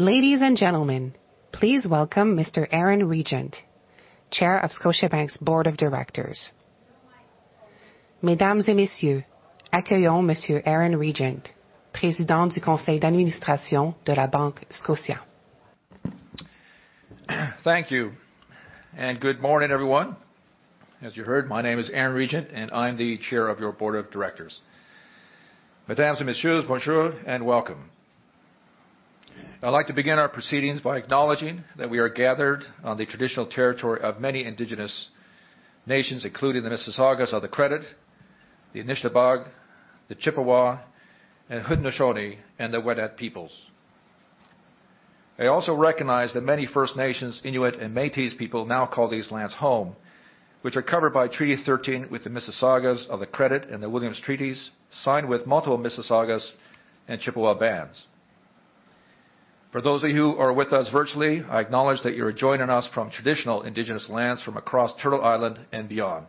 Ladies and gentlemen, please welcome Mr. Aaron Regent, Chair of Scotiabank's Board of Directors. Mesdames et messieurs, accueillons M. Aaron Regent, président du conseil d'administration de la Banque Scotia. Thank you. Good morning, everyone. As you heard, my name is Aaron Regent, and I'm the Chair of your Board of Directors. Mesdames et messieurs, bonjour and welcome. I'd like to begin our proceedings by acknowledging that we are gathered on the traditional territory of many Indigenous nations, including the Mississaugas of the Credit, the Anishinaabe, the Chippewa, the Haudenosaunee, and the Wendat peoples. I also recognize that many First Nations, Inuit, and Métis people now call these lands home, which are covered by Treaty 13 with the Mississaugas of the Credit and the Williams Treaties, signed with multiple Mississaugas and Chippewa bands. For those of you who are with us virtually, I acknowledge that you are joining us from traditional Indigenous lands from across Turtle Island and beyond.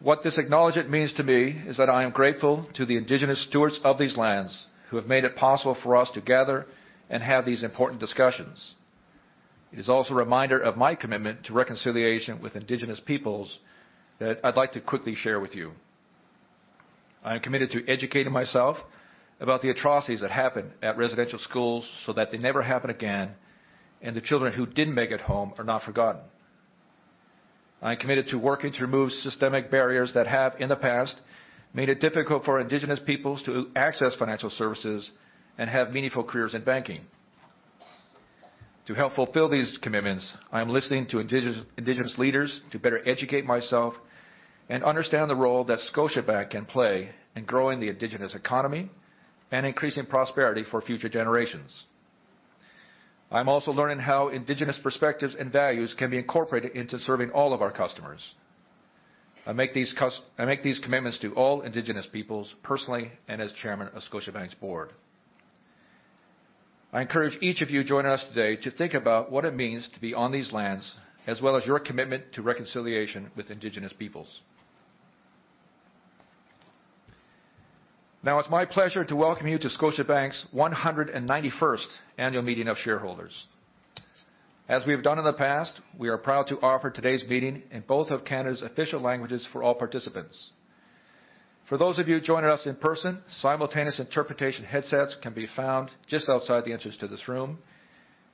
What this acknowledgement means to me is that I am grateful to the Indigenous stewards of these lands who have made it possible for us to gather and have these important discussions. It is also a reminder of my commitment to reconciliation with Indigenous peoples that I'd like to quickly share with you. I am committed to educating myself about the atrocities that happened at residential schools so that they never happen again, and the children who didn't make it home are not forgotten. I am committed to working to remove systemic barriers that have in the past, made it difficult for Indigenous peoples to access financial services and have meaningful careers in banking. To help fulfill these commitments, I am listening to Indigenous leaders to better educate myself and understand the role that Scotiabank can play in growing the Indigenous economy and increasing prosperity for future generations. I'm also learning how indigenous perspectives and values can be incorporated into serving all of our customers. I make these commitments to all indigenous peoples personally and as Chairman of Scotiabank's Board. I encourage each of you joining us today to think about what it means to be on these lands, as well as your commitment to reconciliation with indigenous peoples. It's my pleasure to welcome you to Scotiabank's 191st annual meeting of shareholders. As we have done in the past, we are proud to offer today's meeting in both of Canada's official languages for all participants. For those of you joining us in person, simultaneous interpretation headsets can be found just outside the entrance to this room.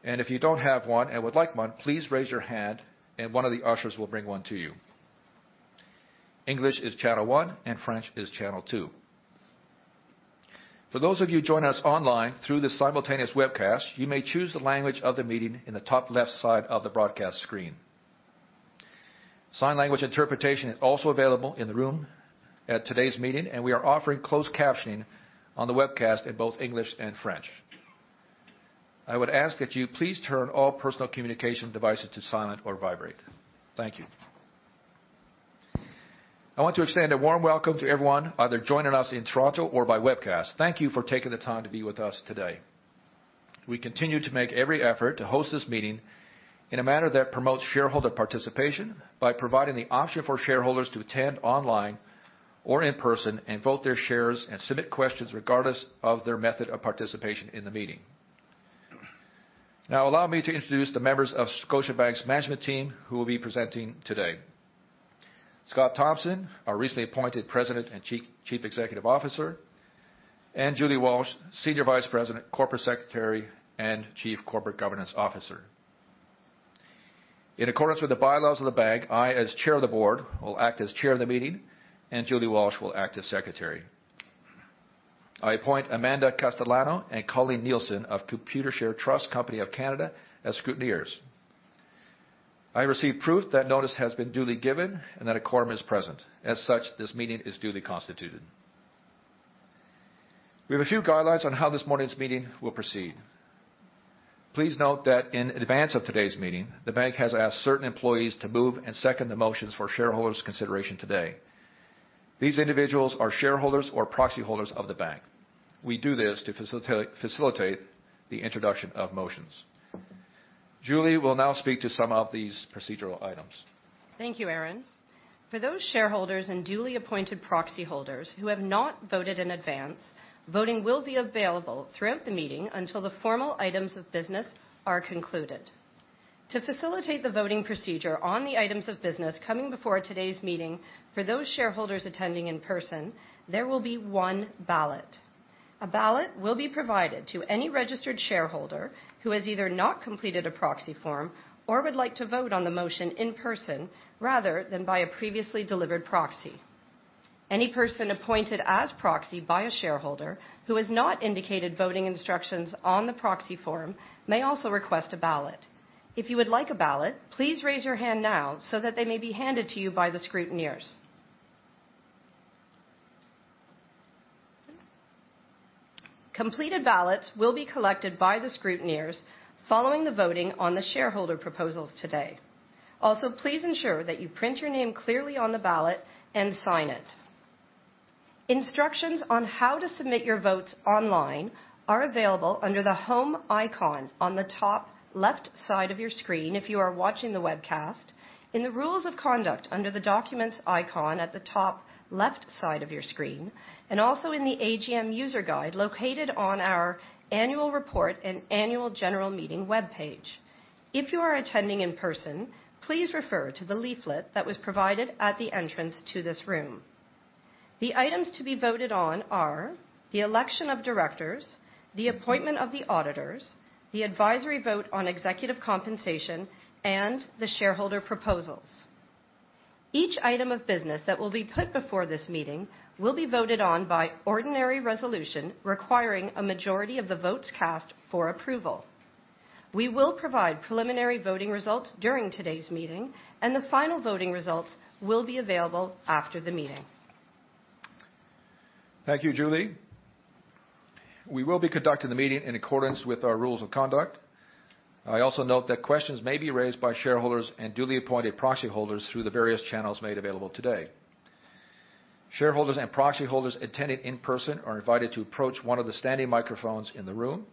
If you don't have one and would like one, please raise your hand and one of the ushers will bring one to you. English is channel one and French is channel two. For those of you joining us online through the simultaneous webcast, you may choose the language of the meeting in the top left side of the broadcast screen. Sign language interpretation is also available in the room at today's meeting, and we are offering closed captioning on the webcast in both English and French. I would ask that you please turn all personal communication devices to silent or vibrate. Thank you. I want to extend a warm welcome to everyone either joining us in Toronto or by webcast. Thank you for taking the time to be with us today. We continue to make every effort to host this meeting in a manner that promotes shareholder participation by providing the option for shareholders to attend online or in person and vote their shares and submit questions regardless of their method of participation in the meeting. Allow me to introduce the members of Scotiabank's management team who will be presenting today. Scott Thomson, our recently appointed President and Chief Executive Officer, and Julie Walsh, Senior Vice President, Corporate Secretary, and Chief Corporate Governance Officer. In accordance with the bylaws of the bank, I, as Chair of the Board, will act as chair of the meeting, and Julie Walsh will act as secretary. I appoint Amanda Castellano and Colleen Nielsen of Computershare Trust Company of Canada as scrutineers. I receive proof that notice has been duly given and that a quorum is present. This meeting is duly constituted. We have a few guidelines on how this morning's meeting will proceed. Please note that in advance of today's meeting, the bank has asked certain employees to move and second the motions for shareholders' consideration today. These individuals are shareholders or proxy holders of the bank. We do this to facilitate the introduction of motions. Julie will now speak to some of these procedural items. Thank you, Aaron. For those shareholders and duly appointed proxy holders who have not voted in advance, voting will be available throughout the meeting until the formal items of business are concluded. To facilitate the voting procedure on the items of business coming before today's meeting, for those shareholders attending in person, there will be one ballot. A ballot will be provided to any registered shareholder who has either not completed a proxy form or would like to vote on the motion in person rather than by a previously delivered proxy. Any person appointed as proxy by a shareholder who has not indicated voting instructions on the proxy form may also request a ballot. If you would like a ballot, please raise your hand now so that they may be handed to you by the scrutineers. Completed ballots will be collected by the scrutineers following the voting on the shareholder proposals today. Please ensure that you print your name clearly on the ballot and sign it. Instructions on how to submit your votes online are available under the Home icon on the top left side of your screen if you are watching the webcast, in the Rules of Conduct under the Documents icon at the top left side of your screen, and also in the AGM User Guide located on our annual report and annual general meeting webpage. If you are attending in person, please refer to the leaflet that was provided at the entrance to this room. The items to be voted on are the election of directors, the appointment of the auditors, the advisory vote on executive compensation, and the shareholder proposals. Each item of business that will be put before this meeting will be voted on by ordinary resolution, requiring a majority of the votes cast for approval. We will provide preliminary voting results during today's meeting, and the final voting results will be available after the meeting. Thank you, Julie. We will be conducting the meeting in accordance with our rules of conduct. I also note that questions may be raised by shareholders and duly appointed proxy holders through the various channels made available today. Shareholders and proxy holders attending in person are invited to approach one of the standing microphones in the room,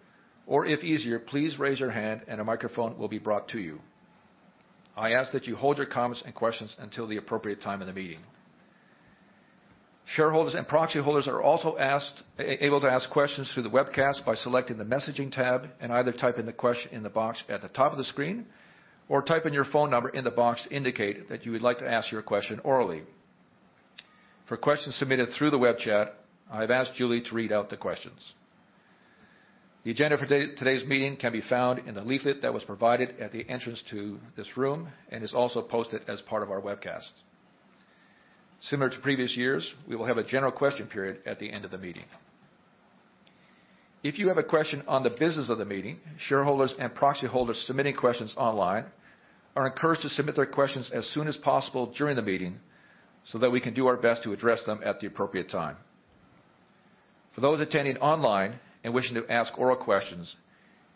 or if easier, please raise your hand and a microphone will be brought to you. I ask that you hold your comments and questions until the appropriate time in the meeting. Shareholders and proxy holders are also able to ask questions through the webcast by selecting the Messaging tab and either type in the box at the top of the screen or type in your phone number in the box to indicate that you would like to ask your question orally. For questions submitted through the web chat, I've asked Julie to read out the questions. The agenda for today's meeting can be found in the leaflet that was provided at the entrance to this room and is also posted as part of our webcast. Similar to previous years, we will have a general question period at the end of the meeting. If you have a question on the business of the meeting, shareholders and proxy holders submitting questions online are encouraged to submit their questions as soon as possible during the meeting, so that we can do our best to address them at the appropriate time. For those attending online and wishing to ask oral questions,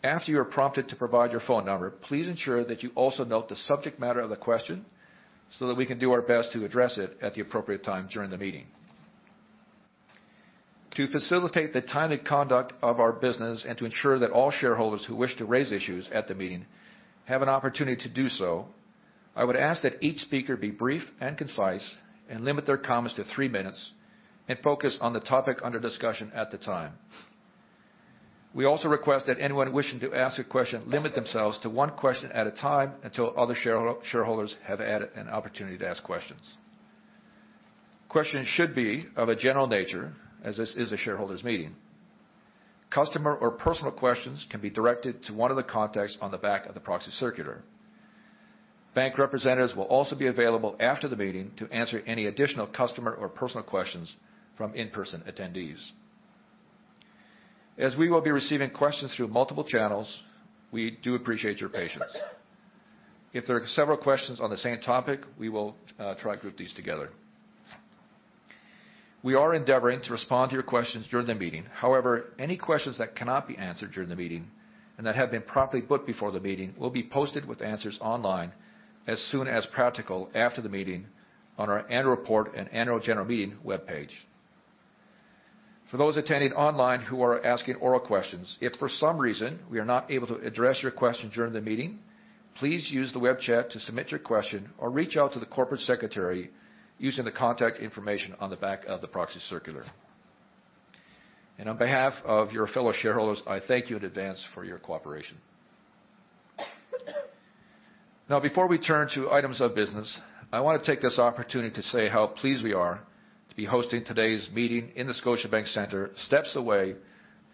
after you are prompted to provide your phone number, please ensure that you also note the subject matter of the question so that we can do our best to address it at the appropriate time during the meeting. To facilitate the timely conduct of our business and to ensure that all shareholders who wish to raise issues at the meeting have an opportunity to do so, I would ask that each speaker be brief and concise and limit their comments to three minutes and focus on the topic under discussion at the time. We also request that anyone wishing to ask a question limit themselves to one question at a time until other shareholders have had an opportunity to ask questions. Questions should be of a general nature, as this is a shareholders meeting. Customer or personal questions can be directed to one of the contacts on the back of the proxy circular. Bank representatives will also be available after the meeting to answer any additional customer or personal questions from in-person attendees. As we will be receiving questions through multiple channels, we do appreciate your patience. If there are several questions on the same topic, we will try to group these together. We are endeavoring to respond to your questions during the meeting. However, any questions that cannot be answered during the meeting and that have been promptly put before the meeting will be posted with answers online as soon as practical after the meeting on our annual report and annual general meeting webpage. For those attending online who are asking oral questions, if for some reason we are not able to address your question during the meeting, please use the web chat to submit your question or reach out to the Corporate Secretary using the contact information on the back of the proxy circular. On behalf of your fellow shareholders, I thank you in advance for your cooperation. Before we turn to items of business, I want to take this opportunity to say how pleased we are to be hosting today's meeting in the Scotiabank Centre, steps away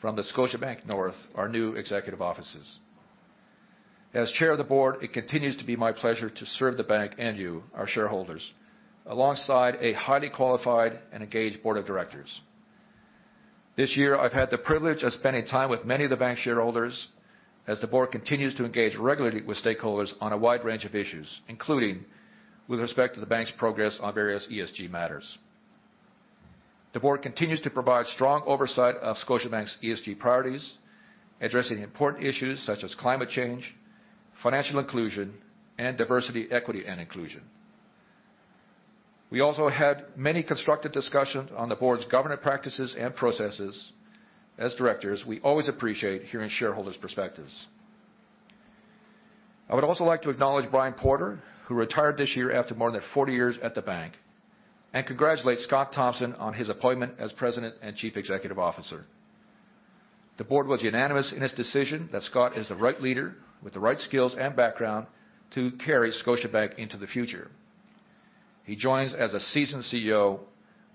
from the Scotiabank North, our new executive offices. As chair of the board, it continues to be my pleasure to serve the bank and you, our shareholders, alongside a highly qualified and engaged board of directors. This year, I've had the privilege of spending time with many of the bank shareholders as the board continues to engage regularly with stakeholders on a wide range of issues, including with respect to the bank's progress on various ESG matters. The board continues to provide strong oversight of Scotiabank's ESG priorities, addressing important issues such as climate change, financial inclusion, and diversity, equity, and inclusion. We also had many constructive discussions on the board's governance practices and processes. As directors, we always appreciate hearing shareholders' perspectives. I would also like to acknowledge Brian Porter, who retired this year after more than 40 years at the bank, and congratulate Scott Thomson on his appointment as President and Chief Executive Officer. The board was unanimous in its decision that Scott is the right leader with the right skills and background to carry Scotiabank into the future. He joins as a seasoned CEO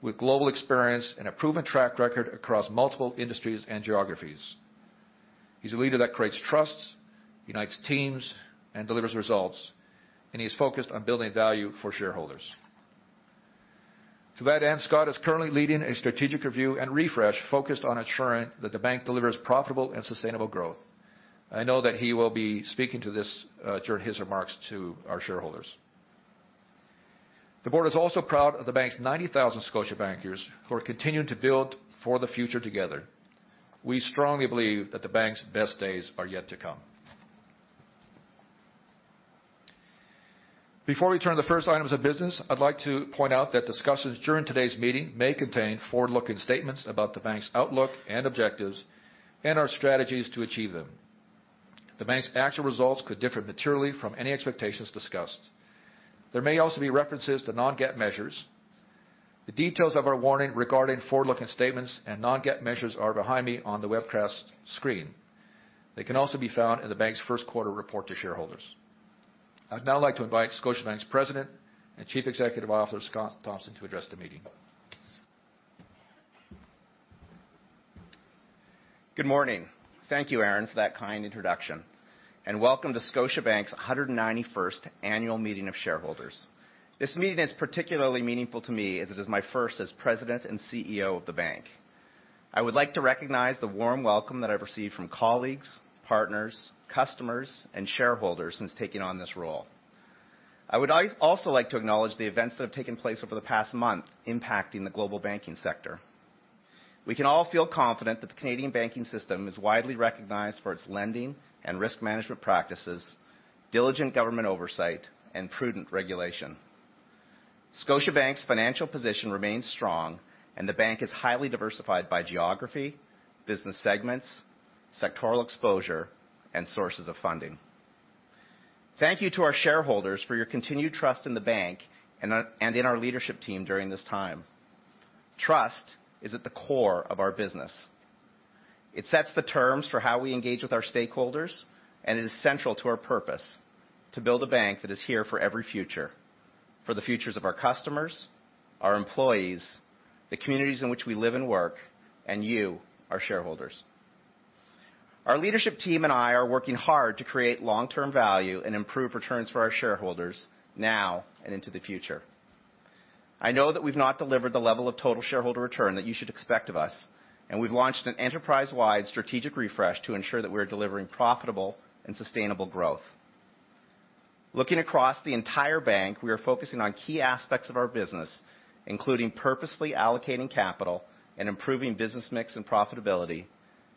with global experience and a proven track record across multiple industries and geographies. He's a leader that creates trust, unites teams, and delivers results. He's focused on building value for shareholders. To that end, Scott is currently leading a strategic review and refresh focused on ensuring that the bank delivers profitable and sustainable growth. I know that he will be speaking to this during his remarks to our shareholders. The board is also proud of the bank's 90,000 Scotiabankers who are continuing to build for the future together. We strongly believe that the bank's best days are yet to come. Before we turn the first items of business, I'd like to point out that discussions during today's meeting may contain forward-looking statements about the bank's outlook and objectives and our strategies to achieve them. The bank's actual results could differ materially from any expectations discussed. There may also be references to non-GAAP measures. The details of our warning regarding forward-looking statements and non-GAAP measures are behind me on the webcast screen. They can also be found in the bank's Q1 report to shareholders. I'd now like to invite Scotiabank's President and Chief Executive Officer, Scott Thomson, to address the meeting. Good morning. Thank you, Aaron, for that kind introduction, and welcome to Scotiabank's 191st annual meeting of shareholders. This meeting is particularly meaningful to me as it is my first as President and CEO of the bank. I would also like to acknowledge the events that have taken place over the past month impacting the global banking sector. We can all feel confident that the Canadian banking system is widely recognized for its lending and risk management practices, diligent government oversight, and prudent regulation. Scotiabank's financial position remains strong and the bank is highly diversified by geography, business segments, sectoral exposure, and sources of funding. Thank you to our shareholders for your continued trust in the bank and our... In our leadership team during this time. Trust is at the core of our business. It sets the terms for how we engage with our stakeholders and is central to our purpose: to build a bank that is here for every future, for the futures of our customers, our employees, the communities in which we live and work, and you, our shareholders. Our leadership team and I are working hard to create long-term value and improve returns for our shareholders now and into the future. I know that we've not delivered the level of total shareholder return that you should expect of us, and we've launched an enterprise-wide strategic refresh to ensure that we're delivering profitable and sustainable growth. Looking across the entire bank, we are focusing on key aspects of our business, including purposely allocating capital and improving business mix and profitability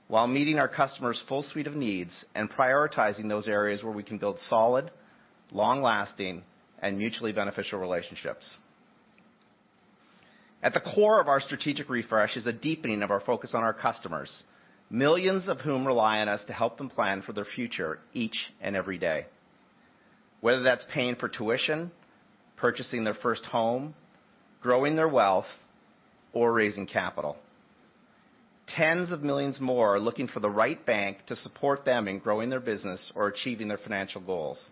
while meeting our customers' full suite of needs and prioritizing those areas where we can build solid, long-lasting, and mutually beneficial relationships. At the core of our strategic refresh is a deepening of our focus on our customers, millions of whom rely on us to help them plan for their future each and every day, whether that's paying for tuition, purchasing their first home, growing their wealth, or raising capital. Tens of millions more are looking for the right bank to support them in growing their business or achieving their financial goals.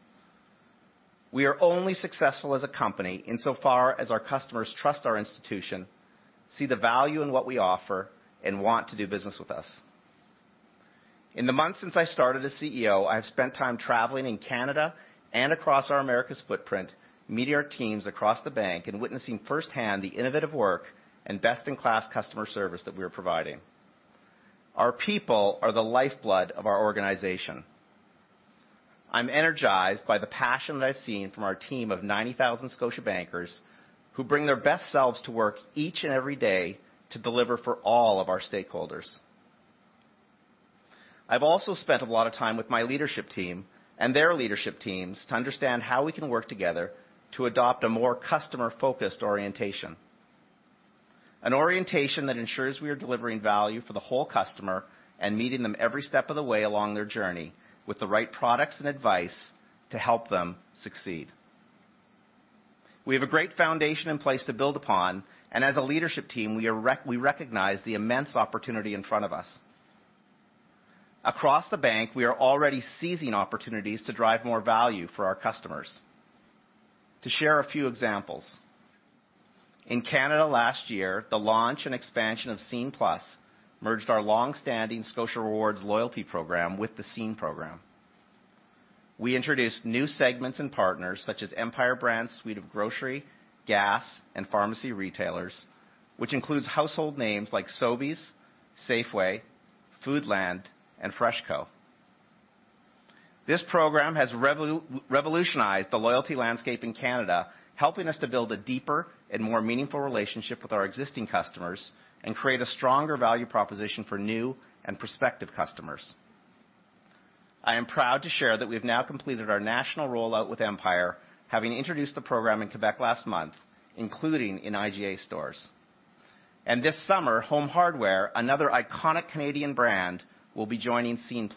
We are only successful as a company insofar as our customers trust our institution, see the value in what we offer, and want to do business with us. In the months since I started as CEO, I've spent time traveling in Canada and across our Americas footprint, meeting our teams across the bank and witnessing firsthand the innovative work and best-in-class customer service that we're providing. Our people are the lifeblood of our organization. I'm energized by the passion that I've seen from our team of 90,000 Scotiabankers who bring their best selves to work each and every day to deliver for all of our stakeholders. I've also spent a lot of time with my leadership team and their leadership teams to understand how we can work together to adopt a more customer-focused orientation, an orientation that ensures we are delivering value for the whole customer and meeting them every step of the way along their journey with the right products and advice to help them succeed. We have a great foundation in place to build upon, and as a leadership team, we recognize the immense opportunity in front of us. Across the bank, we are already seizing opportunities to drive more value for our customers. To share a few examples, in Canada last year, the launch and expansion of Scene+ merged our long-standing Scotia Rewards loyalty program with the Scene program. We introduced new segments and partners such as Empire Brands suite of grocery, gas, and pharmacy retailers, which includes household names like Sobeys, Safeway, Foodland, and FreshCo. This program has revolutionized the loyalty landscape in Canada, helping us to build a deeper and more meaningful relationship with our existing customers and create a stronger value proposition for new and prospective customers. I am proud to share that we've now completed our national rollout with Empire, having introduced the program in Quebec last month, including in IGA stores. This summer, Home Hardware, another iconic Canadian brand, will be joining Scene+.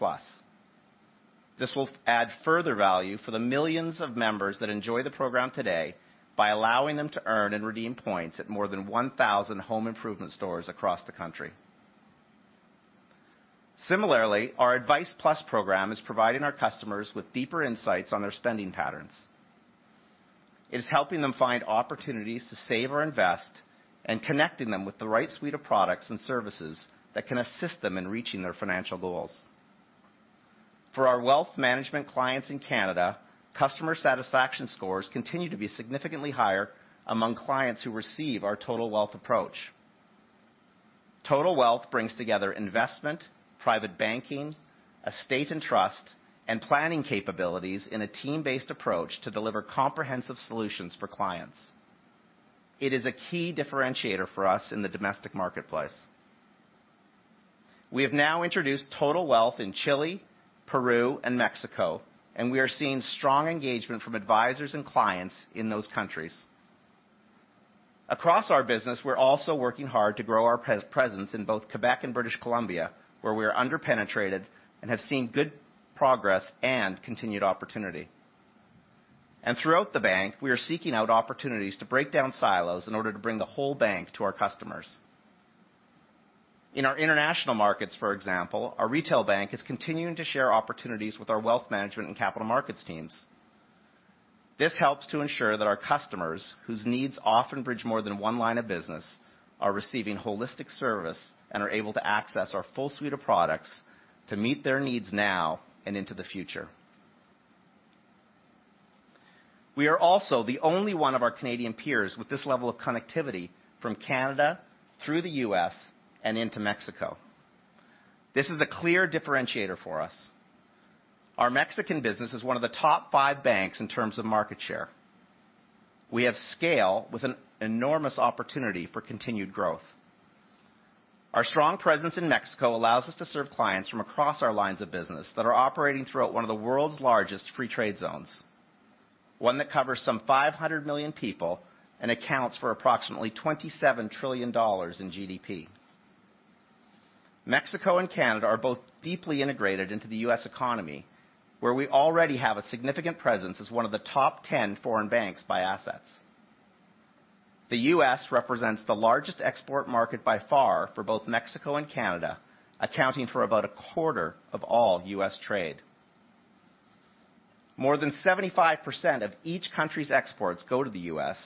This will add further value for the millions of members that enjoy the program today by allowing them to earn and redeem points at more than 1,000 home improvement stores across the country. Similarly, our Advice+ program is providing our customers with deeper insights on their spending patterns. It is helping them find opportunities to save or invest and connecting them with the right suite of products and services that can assist them in reaching their financial goals. For our wealth management clients in Canada, customer satisfaction scores continue to be significantly higher among clients who receive our Total Wealth approach. Total Wealth brings together investment, private banking, estate and trust, and planning capabilities in a team-based approach to deliver comprehensive solutions for clients. It is a key differentiator for us in the domestic marketplace. We have now introduced Total Wealth in Chile, Peru, and Mexico, and we are seeing strong engagement from advisors and clients in those countries. Across our business, we're also working hard to grow our presence in both Quebec and British Columbia, where we are under-penetrated and have seen good progress and continued opportunity. Throughout the bank, we are seeking out opportunities to break down silos in order to bring the whole bank to our customers. In our international markets, for example, our retail bank is continuing to share opportunities with our wealth management and capital markets teams. This helps to ensure that our customers, whose needs often bridge more than 1 line of business, are receiving holistic service and are able to access our full suite of products to meet their needs now and into the future. We are also the only one of our Canadian peers with this level of connectivity from Canada through the U.S. and into Mexico. This is a clear differentiator for us. Our Mexican business is one of the top five banks in terms of market share. We have scale with an enormous opportunity for continued growth. Our strong presence in Mexico allows us to serve clients from across our lines of business that are operating throughout one of the world's largest free trade zones, one that covers some 500 million people and accounts for approximately 27 trillion dollars in GDP. Mexico and Canada are both deeply integrated into the U.S. economy, where we already have a significant presence as one of the top 10 foreign banks by assets. The U.S. represents the largest export market by far for both Mexico and Canada, accounting for about a quarter of all U.S. trade. More than 75% of each country's exports go to the U.S.,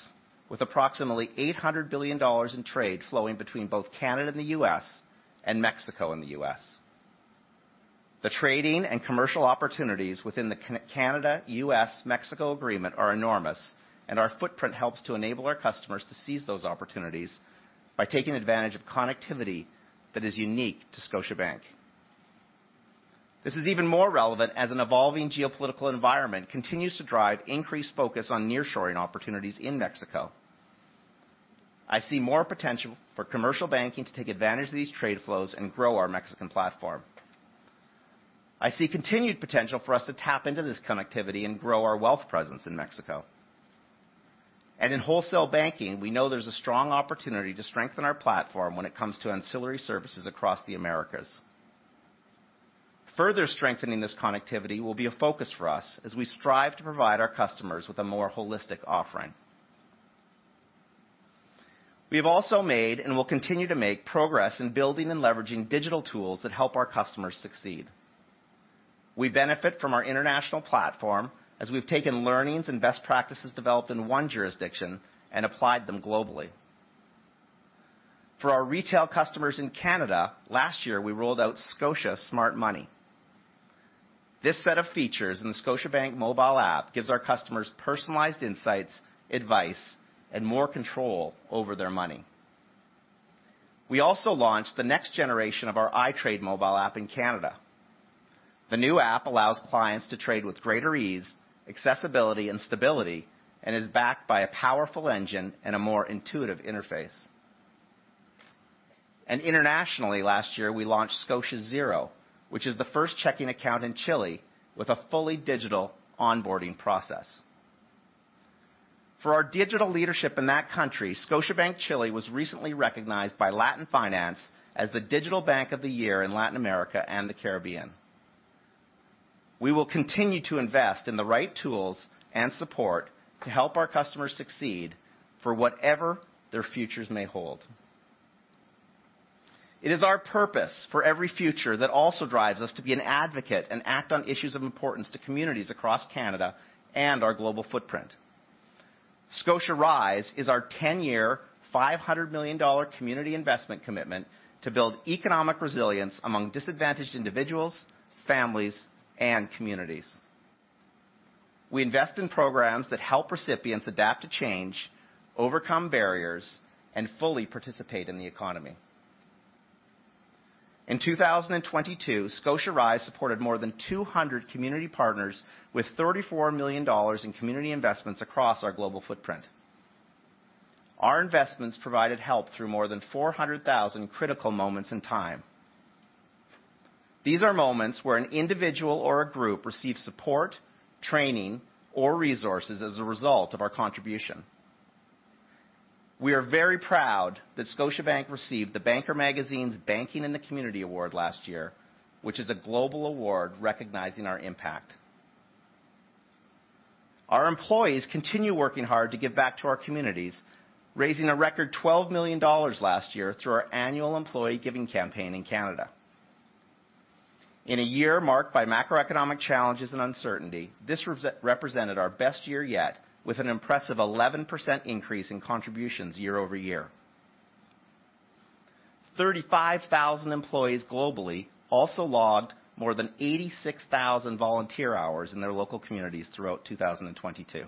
with approximately 800 billion dollars in trade flowing between both Canada and the U.S. and Mexico and the U.S. The trading and commercial opportunities within the Canada/U.S./Mexico agreement are enormous, and our footprint helps to enable our customers to seize those opportunities by taking advantage of connectivity that is unique to Scotiabank. This is even more relevant as an evolving geopolitical environment continues to drive increased focus on nearshoring opportunities in Mexico. I see more potential for commercial banking to take advantage of these trade flows and grow our Mexican platform. I see continued potential for us to tap into this connectivity and grow our wealth presence in Mexico. And in wholesale banking, we know there's a strong opportunity to strengthen our platform when it comes to ancillary services across the Americas. Further strengthening this connectivity will be a focus for us as we strive to provide our customers with a more holistic offering. We have also made, and will continue to make, progress in building and leveraging digital tools that help our customers succeed. We benefit from our international platform as we've taken learnings and best practices developed in one jurisdiction and applied them globally. For our retail customers in Canada, last year, we rolled out Scotia Smart Money. This set of features in the Scotiabank mobile app gives our customers personalized insights, advice, and more control over their money. We also launched the next generation of our Scotia iTRADE mobile app in Canada. The new app allows clients to trade with greater ease, accessibility, and stability and is backed by a powerful engine and a more intuitive interface. Internationally, last year, we launched Scotia Zero, which is the first checking account in Chile with a fully digital onboarding process. For our digital leadership in that country, Scotiabank Chile was recently recognized by LatinFinance as the digital bank of the year in Latin America and the Caribbean. We will continue to invest in the right tools and support to help our customers succeed for whatever their futures may hold. It is our purpose for every future that also drives us to be an advocate and act on issues of importance to communities across Canada and our global footprint. ScotiaRISE is our 10-year, 500 million dollar community investment commitment to build economic resilience among disadvantaged individuals, families, and communities. We invest in programs that help recipients adapt to change, overcome barriers, and fully participate in the economy. In 2022, ScotiaRISE supported more than 200 community partners with 34 million dollars in community investments across our global footprint. Our investments provided help through more than 400,000 critical moments in time. These are moments where an individual or a group received support, training, or resources as a result of our contribution. We are very proud that Scotiabank received The Banker magazine's Banking in the Community Award last year, which is a global award recognizing our impact. Our employees continue working hard to give back to our communities, raising a record 12 million dollars last year through our annual employee giving campaign in Canada. In a year marked by macroeconomic challenges and uncertainty, this represented our best year yet, with an impressive 11% increase in contributions year-over-year. 35,000 employees globally also logged more than 86,000 volunteer hours in their local communities throughout 2022.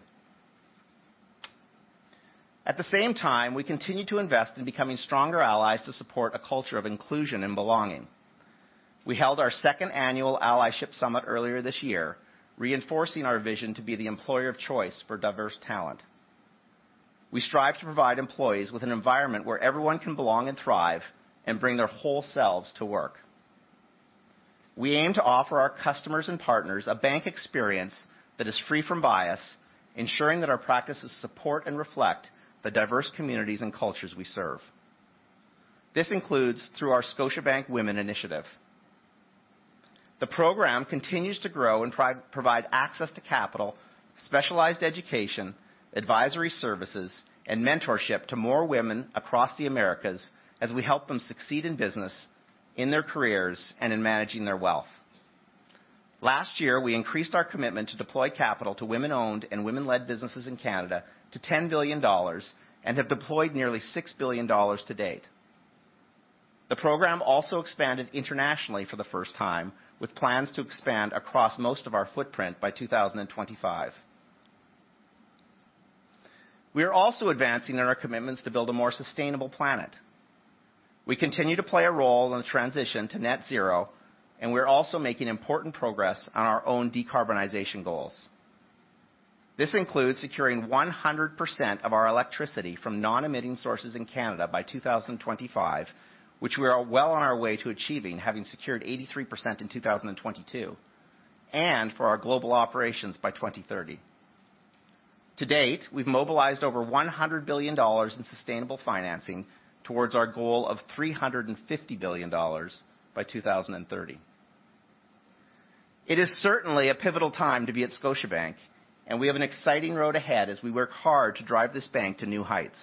At the same time, we continue to invest in becoming stronger allies to support a culture of inclusion and belonging. We held our second annual Allyship Summit earlier this year, reinforcing our vision to be the employer of choice for diverse talent. We strive to provide employees with an environment where everyone can belong and thrive and bring their whole selves to work. We aim to offer our customers and partners a bank experience that is free from bias, ensuring that our practices support and reflect the diverse communities and cultures we serve. This includes through our Scotiabank Women Initiative. The program continues to grow and provide access to capital, specialized education, advisory services, and mentorship to more women across the Americas as we help them succeed in business, in their careers, and in managing their wealth. Last year, we increased our commitment to deploy capital to women-owned and women-led businesses in Canada to 10 billion dollars, and have deployed nearly 6 billion dollars to date. The program also expanded internationally for the first time, with plans to expand across most of our footprint by 2025. We are also advancing in our commitments to build a more sustainable planet. We continue to play a role in the transition to net-zero, and we're also making important progress on our own decarbonization goals. This includes securing 100% of our electricity from non-emitting sources in Canada by 2025, which we are well on our way to achieving, having secured 83% in 2022, and for our global operations by 2030. To date, we've mobilized over 100 billion dollars in sustainable financing towards our goal of 350 billion dollars by 2030. It is certainly a pivotal time to be at Scotiabank, and we have an exciting road ahead as we work hard to drive this bank to new heights.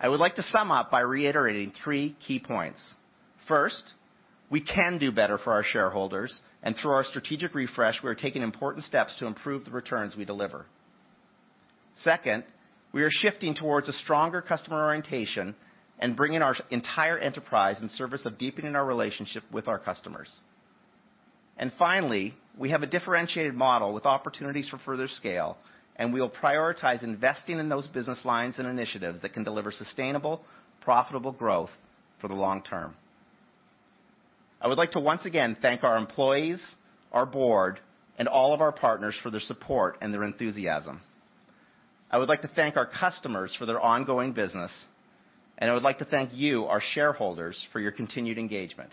I would like to sum up by reiterating three key points. First, we can do better for our shareholders, and through our strategic refresh, we're taking important steps to improve the returns we deliver. Second, we are shifting towards a stronger customer orientation and bringing our entire enterprise in service of deepening our relationship with our customers. Finally, we have a differentiated model with opportunities for further scale, and we will prioritize investing in those business lines and initiatives that can deliver sustainable, profitable growth for the long term. I would like to once again thank our employees, our board, and all of our partners for their support and their enthusiasm. I would like to thank our customers for their ongoing business, and I would like to thank you, our shareholders, for your continued engagement.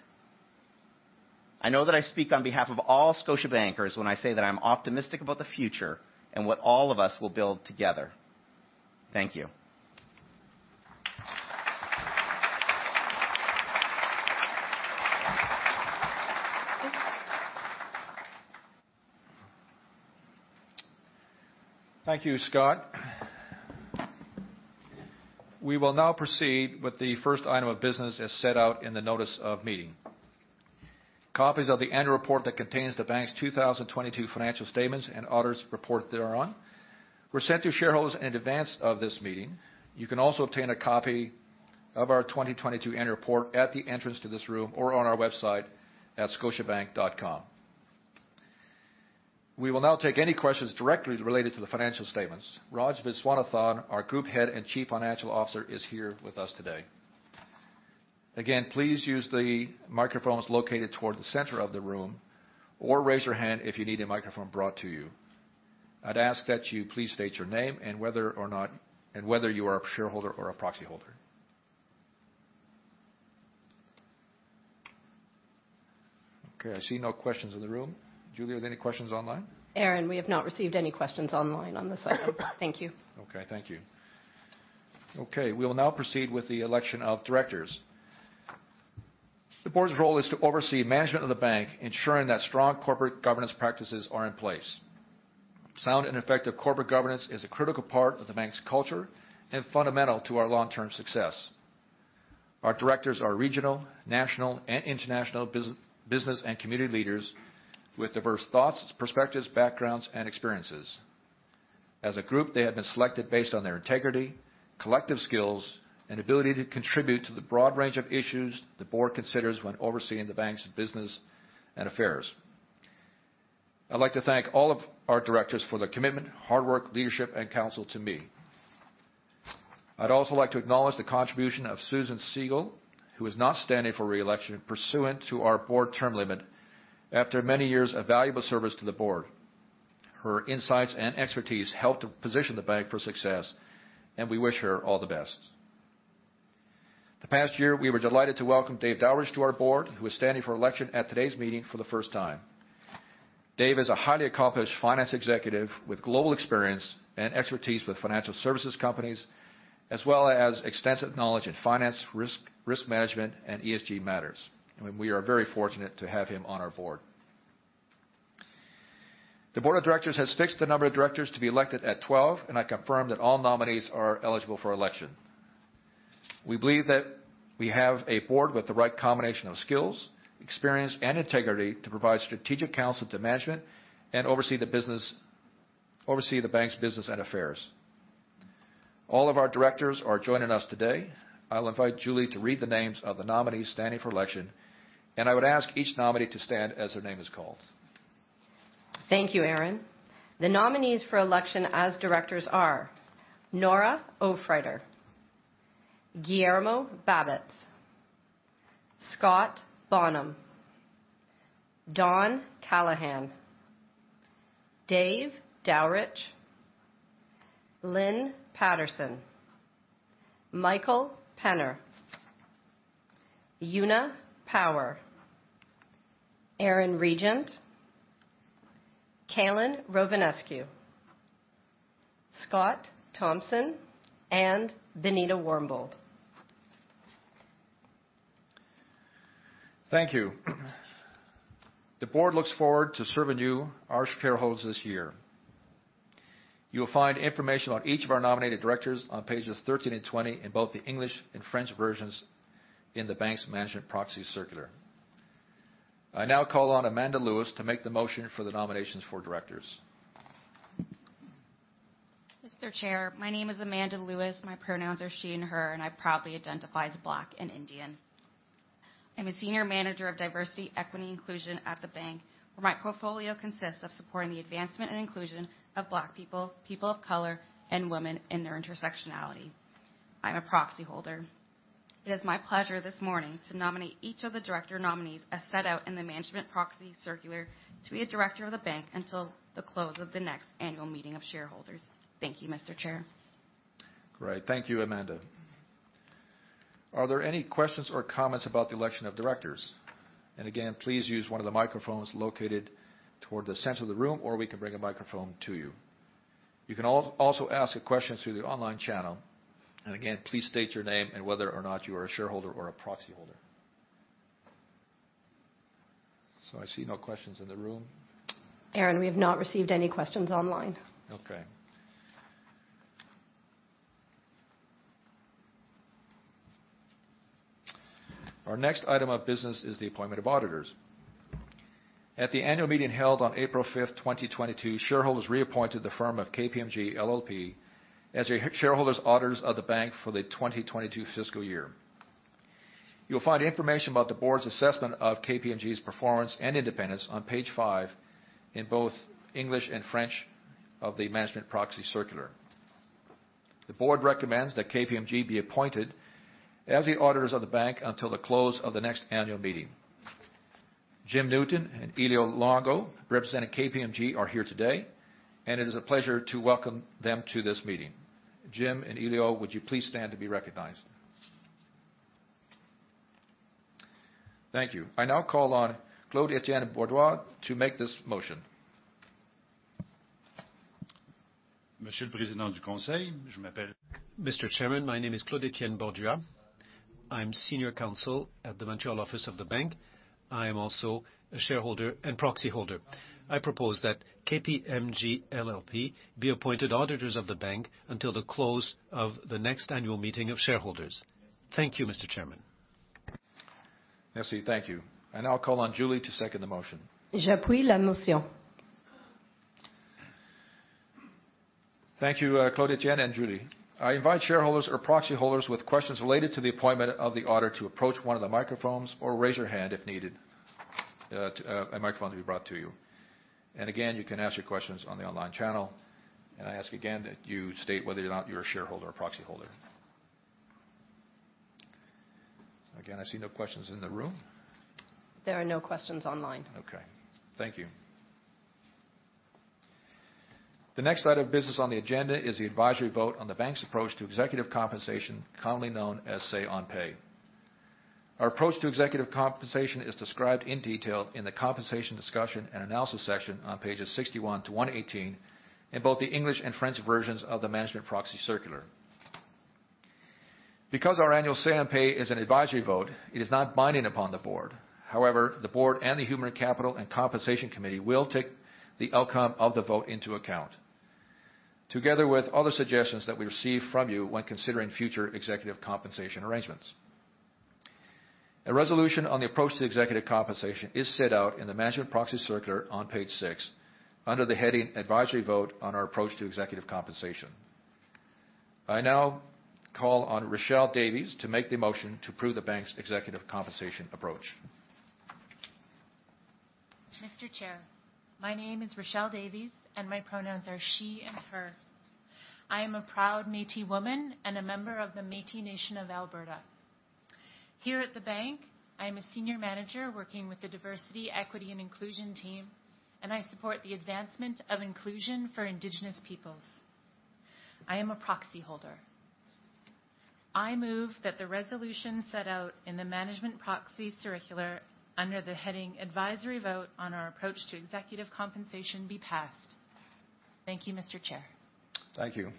I know that I speak on behalf of all Scotiabankers when I say that I'm optimistic about the future and what all of us will build together. Thank you. Thank you, Scott. We will now proceed with the first item of business as set out in the notice of meeting. Copies of the annual report that contains the Bank's 2022 financial statements and auditors' report thereon were sent to shareholders in advance of this meeting. You can also obtain a copy of our 2022 annual report at the entrance to this room or on our website at scotiabank.com. We will now take any questions directly related to the financial statements. Raj Viswanathan, our Group Head and Chief Financial Officer, is here with us today. Again, please use the microphones located toward the center of the room, or raise your hand if you need a microphone brought to you. I'd ask that you please state your name and whether you are a shareholder or a proxy holder. I see no questions in the room. Julie, are there any questions online? Aaron, we have not received any questions online on this item. Thank you. Okay, thank you. Okay, we will now proceed with the election of directors. The board's role is to oversee management of the bank, ensuring that strong corporate governance practices are in place. Sound and effective corporate governance is a critical part of the bank's culture and fundamental to our long-term success. Our directors are regional, national, and international business and community leaders with diverse thoughts, perspectives, backgrounds, and experiences. As a group, they have been selected based on their integrity, collective skills, and ability to contribute to the broad range of issues the board considers when overseeing the bank's business and affairs. I'd like to thank all of our directors for their commitment, hard work, leadership, and counsel to me. I'd also like to acknowledge the contribution of Susan Segal, who is not standing for re-election pursuant to our board term limit after many years of valuable service to the board. Her insights and expertise helped to position the bank for success. We wish her all the best. The past year, we were delighted to welcome Dave Dowrich to our board, who is standing for election at today's meeting for the first time. Dave is a highly accomplished finance executive with global experience and expertise with financial services companies, as well as extensive knowledge in finance, risk management, and ESG matters. We are very fortunate to have him on our board. The board of directors has fixed the number of directors to be elected at 12. I confirm that all nominees are eligible for election. We believe that we have a board with the right combination of skills, experience, and integrity to provide strategic counsel to management and oversee the bank's business and affairs. All of our directors are joining us today. I'll invite Julie to read the names of the nominees standing for election, and I would ask each nominee to stand as their name is called. Thank you, Aaron. The nominees for election as directors are Nora Aufreiter, Guillermo Babatz, Scott Bonham, Don Callahan, Dave Dowrich, Lynn Patterson, Michael Penner, Una Power, Aaron Regent, Calin Rovinescu, Scott Thomson, and Benita Warmbold. Thank you. The board looks forward to serving you, our shareholders, this year. You will find information on each of our nominated directors on pages 13 and 20 in both the English and French versions in the bank's management proxy circular. I now call on Amanda Lewis to make the motion for the nominations for directors. Mr. Chair, my name is Amanda Lewis. My pronouns are she and her. I proudly identify as Black and Indian. I'm a senior manager of diversity, equity, and inclusion at the bank, where my portfolio consists of supporting the advancement and inclusion of Black people of color, and women in their intersectionality. I'm a proxy holder. It is my pleasure this morning to nominate each of the director nominees as set out in the management proxy circular to be a director of the bank until the close of the next annual meeting of shareholders. Thank you, Mr. Chair. Great. Thank you, Amanda. Are there any questions or comments about the election of directors? Again, please use one of the microphones located toward the center of the room, or we can bring a microphone to you. You can also ask a question through the online channel. Again, please state your name and whether or not you are a shareholder or a proxy holder. I see no questions in the room. Aaron, we have not received any questions online. Our next item of business is the appointment of auditors. At the annual meeting held on 5 April, 2022, shareholders reappointed the firm of KPMG LLP as the shareholders' auditors of the Bank for the 2022 fiscal year. You'll find information about the Board's assessment of KPMG's performance and independence on page five in both English and French of the management proxy circular. The Board recommends that KPMG be appointed as the auditors of the Bank until the close of the next annual meeting. Jim Newton and Elio Luongo, representing KPMG, are here today, and it is a pleasure to welcome them to this meeting. Jim and Elio, would you please stand to be recognized? Thank you. I now call on Claude-Etienne Borduas to make this motion. Mr. Chairman, my name is Claude-Etienne Borduas. I'm senior counsel at the Montreal office of the bank. I am also a shareholder and proxy holder. I propose that KPMG LLP be appointed auditors of the bank until the close of the next annual meeting of shareholders. Thank you, Mr. Chairman. Merci. Thank you. I now call on Julie to second the motion. J'appuie la motion. Thank you, Claude-Etienne and Julie. I invite shareholders or proxy holders with questions related to the appointment of the auditor to approach one of the microphones or raise your hand if needed, a microphone will be brought to you. Again, you can ask your questions on the online channel. I ask again that you state whether or not you're a shareholder or proxy holder. Again, I see no questions in the room. There are no questions online. Okay. Thank you. The next item of business on the agenda is the advisory vote on the bank's approach to executive compensation, commonly known as say on pay. Our approach to executive compensation is described in detail in the compensation discussion and analysis section on pages 61-118 in both the English and French versions of the management proxy circular. Our annual say on pay is an advisory vote, it is not binding upon the board. The board and the human capital and compensation committee will take the outcome of the vote into account, together with other suggestions that we receive from you when considering future executive compensation arrangements. A resolution on the approach to executive compensation is set out in the management proxy circular on page six under the heading Advisory Vote on Our Approach to Executive Compensation. I now call on Rochelle Davies to make the motion to approve the bank's executive compensation approach. Mr. Chair, my name is Rochelle Davies, and my pronouns are she and her. I am a proud Métis woman and a member of the Métis Nation of Alberta. Here at the bank, I am a senior manager working with the diversity, equity, and inclusion team, and I support the advancement of inclusion for Indigenous peoples. I am a proxy holder. I move that the resolution set out in the management proxy circular under the heading Advisory Vote on Our Approach to Executive Compensation be passed. Thank you, Mr. Chair. Thank you.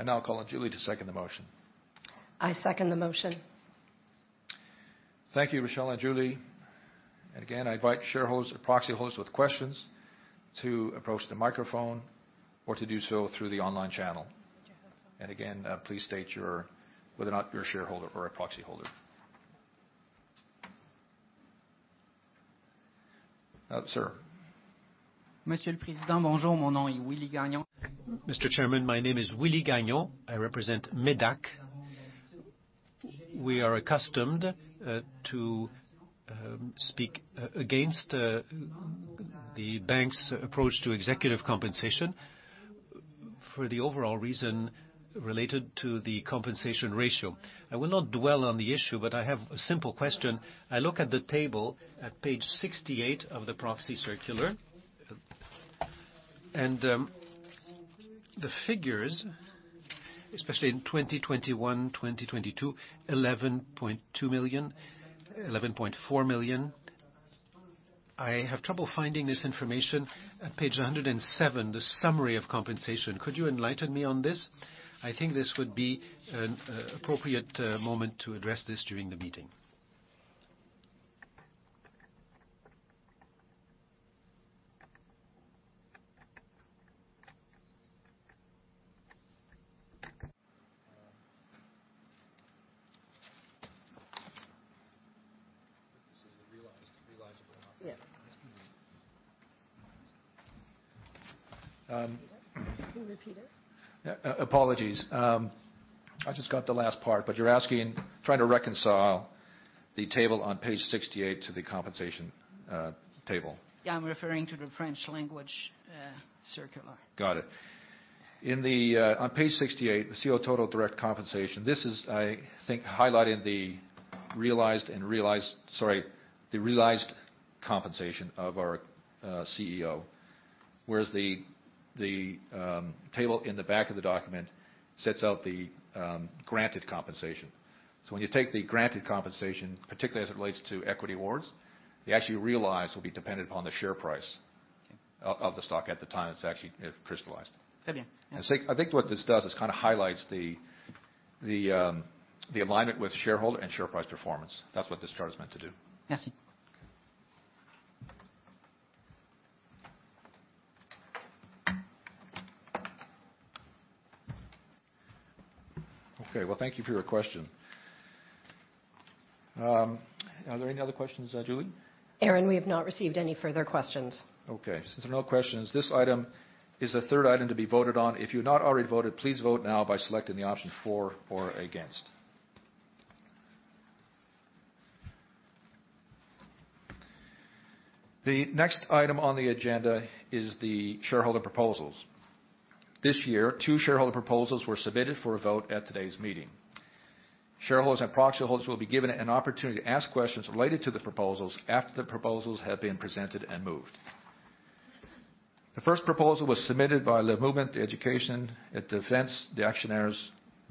I now call on Julie to second the motion. I second the motion. Thank you, Rochelle and Julie. Again, I invite shareholders or proxy holders with questions to approach the microphone or to do so through the online channel. Again, please state your... whether or not you're a shareholder or a proxy holder. Sir. Monsieur le président. Bonjour, mon nom est Willie Gagnon. Mr. Chairman, my name is Willie Gagnon. I represent MÉDAC. We are accustomed to speak against the bank's approach to executive compensation. For the overall reason related to the compensation ratio. I will not dwell on the issue, but I have a simple question. I look at the table at page 68 of the proxy circular, and the figures, especially in 2021, 2022, 11.2 million, 11.4 million. I have trouble finding this information at page 107, the summary of compensation. Could you enlighten me on this? I think this would be an appropriate moment to address this during the meeting. This is the realized, realizable- Yeah. Um. Can you repeat it? Apologies. I just got the last part, but you're asking, trying to reconcile the table on page 68 to the compensation table. Yeah. I'm referring to the French language, circular. Got it. In the On page 68, the CEO total direct compensation. This is, I think, highlighting the realized. Sorry, the realized compensation of our CEO. Whereas the table in the back of the document sets out the granted compensation. When you take the granted compensation, particularly as it relates to equity awards, the actual realize will be dependent upon the share price. Okay. of the stock at the time it's actually, it crystallized. Very good. I think what this does is kind of highlights the alignment with shareholder and share price performance. That's what this chart is meant to do. Merci. Okay. Well, thank you for your question. Are there any other questions, Julie? Aaron, we have not received any further questions. Okay. Since there are no questions, this item is the third item to be voted on. If you've not already voted, please vote now by selecting the option for or against. The next item on the agenda is the shareholder proposals. This year, two shareholder proposals were submitted for a vote at today's meeting. Shareholders and proxy holders will be given an opportunity to ask questions related to the proposals after the proposals have been presented and moved. The first proposal was submitted by Le Mouvement d'éducation et de défense des actionnaires,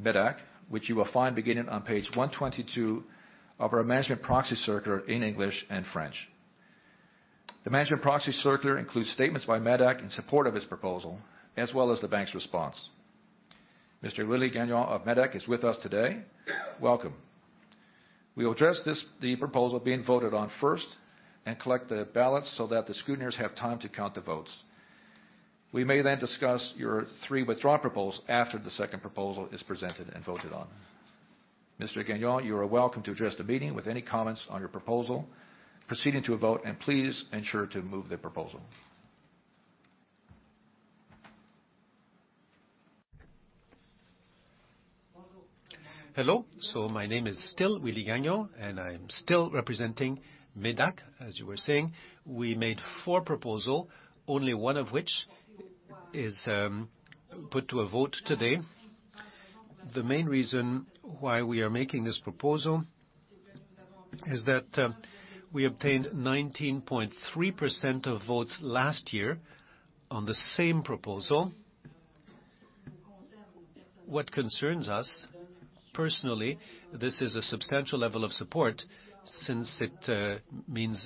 MÉDAC, which you will find beginning on page 122 of our management proxy circular in English and French. The management proxy circular includes statements by MÉDAC in support of this proposal, as well as the bank's response. Mr. Willie Gagnon of MÉDAC is with us today. Welcome. We'll address this, the proposal being voted on first and collect the ballots so that the scrutineers have time to count the votes. We may then discuss your three withdrawn proposals after the second proposal is presented and voted on. Mr. Gagnon, you are welcome to address the meeting with any comments on your proposal, proceeding to a vote, and please ensure to move the proposal. Hello. My name is still Willie Gagnon, and I'm still representing MÉDAC, as you were saying. We made four proposal, only one of which is put to a vote today. The main reason why we are making this proposal is that we obtained 19.3% of votes last year on the same proposal. What concerns us, personally, this is a substantial level of support since it means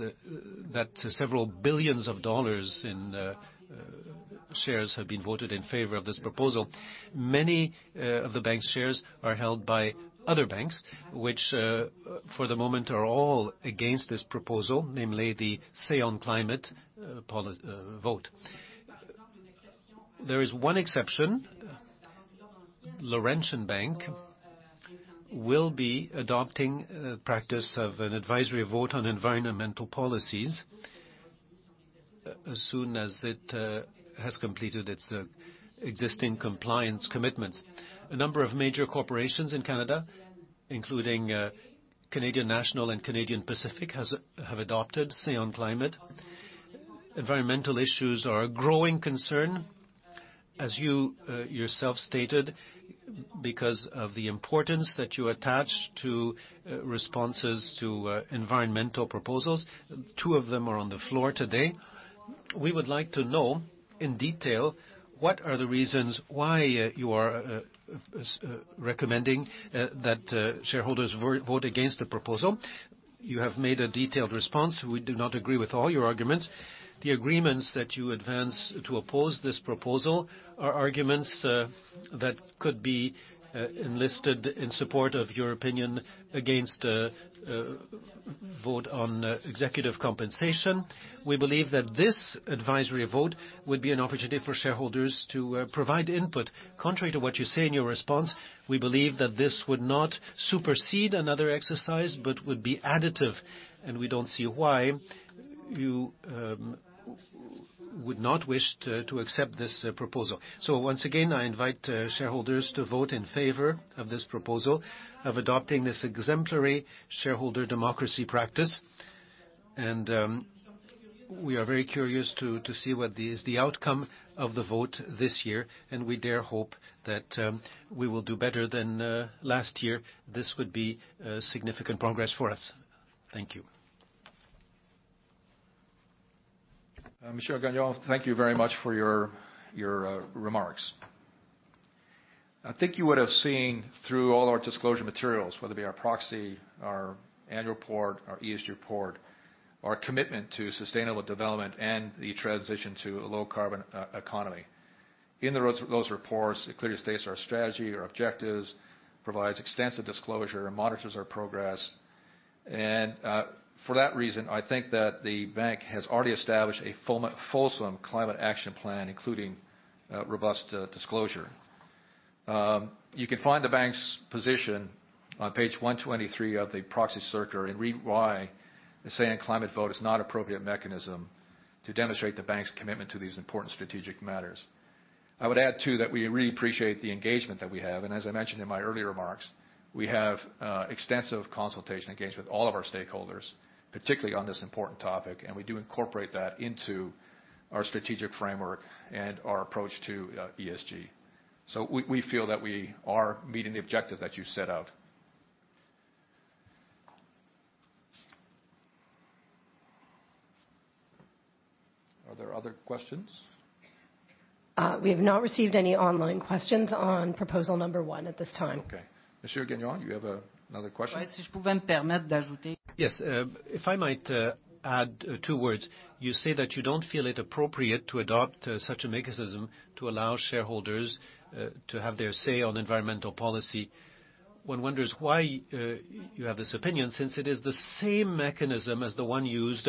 that several billions of CAD dollars in shares have been voted in favor of this proposal. Many of the bank's shares are held by other banks, which, for the moment, are all against this proposal, namely the Say On Climate vote. There is one exception. Laurentian Bank will be adopting a practice of an advisory vote on environmental policies as soon as it has completed its existing compliance commitments. A number of major corporations in Canada, including Canadian National and Canadian Pacific, have adopted Say On Climate. Environmental issues are a growing concern, as you yourself stated, because of the importance that you attach to responses to environmental proposals. Two of them are on the floor today. We would like to know in detail what are the reasons why you are recommending that shareholders vote against the proposal. You have made a detailed response. We do not agree with all your arguments. The agreements that you advance to oppose this proposal are arguments that could be enlisted in support of your opinion against a vote on executive compensation. We believe that this advisory vote would be an opportunity for shareholders to provide input. Contrary to what you say in your response, we believe that this would not supersede another exercise, but would be additive, and we don't see why you would not wish to accept this proposal. Once again, I invite shareholders to vote in favor of this proposal of adopting this exemplary shareholder democracy practice. We are very curious to see what is the outcome of the vote this year, and we dare hope that we will do better than last year. This would be a significant progress for us. Thank you. Monsieur Gagnon, thank you very much for your remarks. I think you would have seen through all our disclosure materials, whether it be our proxy, our annual report, our ESG report, our commitment to sustainable development and the transition to a low carbon economy. In those reports, it clearly states our strategy, our objectives, provides extensive disclosure, and monitors our progress. For that reason, I think that the bank has already established a fulsome climate action plan, including robust disclosure. You can find the bank's position on page 123 of the proxy circular and read why the Say on Climate vote is not appropriate mechanism to demonstrate the bank's commitment to these important strategic matters. I would add, too, that we really appreciate the engagement that we have. As I mentioned in my earlier remarks, we have extensive consultation engagement with all of our stakeholders, particularly on this important topic, and we do incorporate that into our strategic framework and our approach to ESG. We feel that we are meeting the objectives that you set out. Are there other questions? We have not received any online questions on proposal number one at this time. Okay. Monsieur Gagnon, you have another question? Yes. If I might add two words. You say that you don't feel it appropriate to adopt such a mechanism to allow shareholders to have their say on environmental policy. One wonders why you have this opinion, since it is the same mechanism as the one used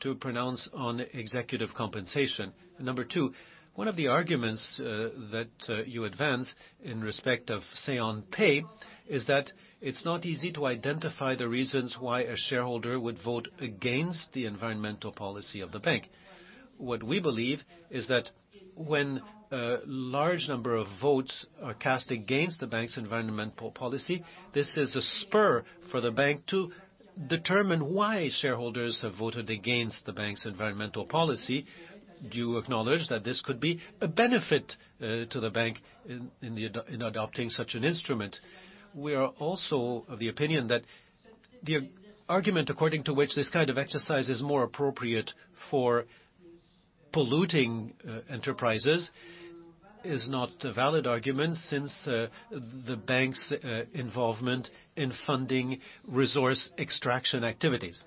to pronounce on executive compensation. Number two, one of the arguments that you advance in respect of say on pay is that it's not easy to identify the reasons why a shareholder would vote against the environmental policy of the bank. What we believe is that when a large number of votes are cast against the bank's environmental policy, this is a spur for the bank to determine why shareholders have voted against the bank's environmental policy. Do you acknowledge that this could be a benefit to the Bank in adopting such an instrument. We are also of the opinion that the argument according to which this kind of exercise is more appropriate for polluting enterprises is not a valid argument since the Bank's involvement in funding resource extraction activities.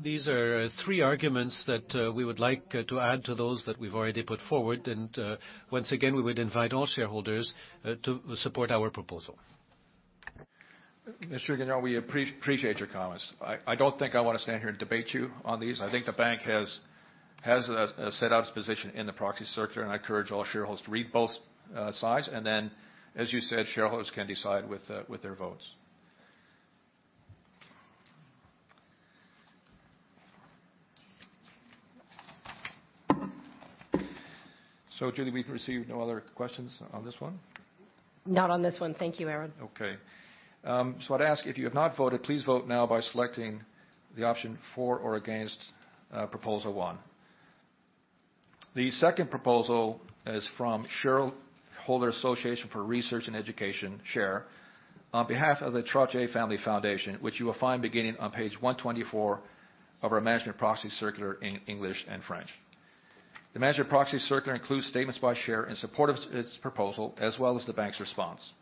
These are three arguments that we would like to add to those that we've already put forward. Once again, we would invite all shareholders to support our proposal. Monsieur Gagnon, we appreciate your comments. I don't think I wanna stand here and debate you on these. I think the bank has set out its position in the proxy circular, and I encourage all shareholders to read both sides. As you said, shareholders can decide with their votes. Julie, we've received no other questions on this one? Not on this one. Thank you, Aaron. I'd ask, if you have not voted, please vote now by selecting the option for or against proposal one. The second proposal is from Shareholder Association for Research and Education, SHARE, on behalf of the Trottier Family Foundation, which you will find beginning on page 124 of our Management Proxy Circular in English and French. The Management Proxy Circular includes statements by SHARE in support of its proposal, as well as the Bank's response.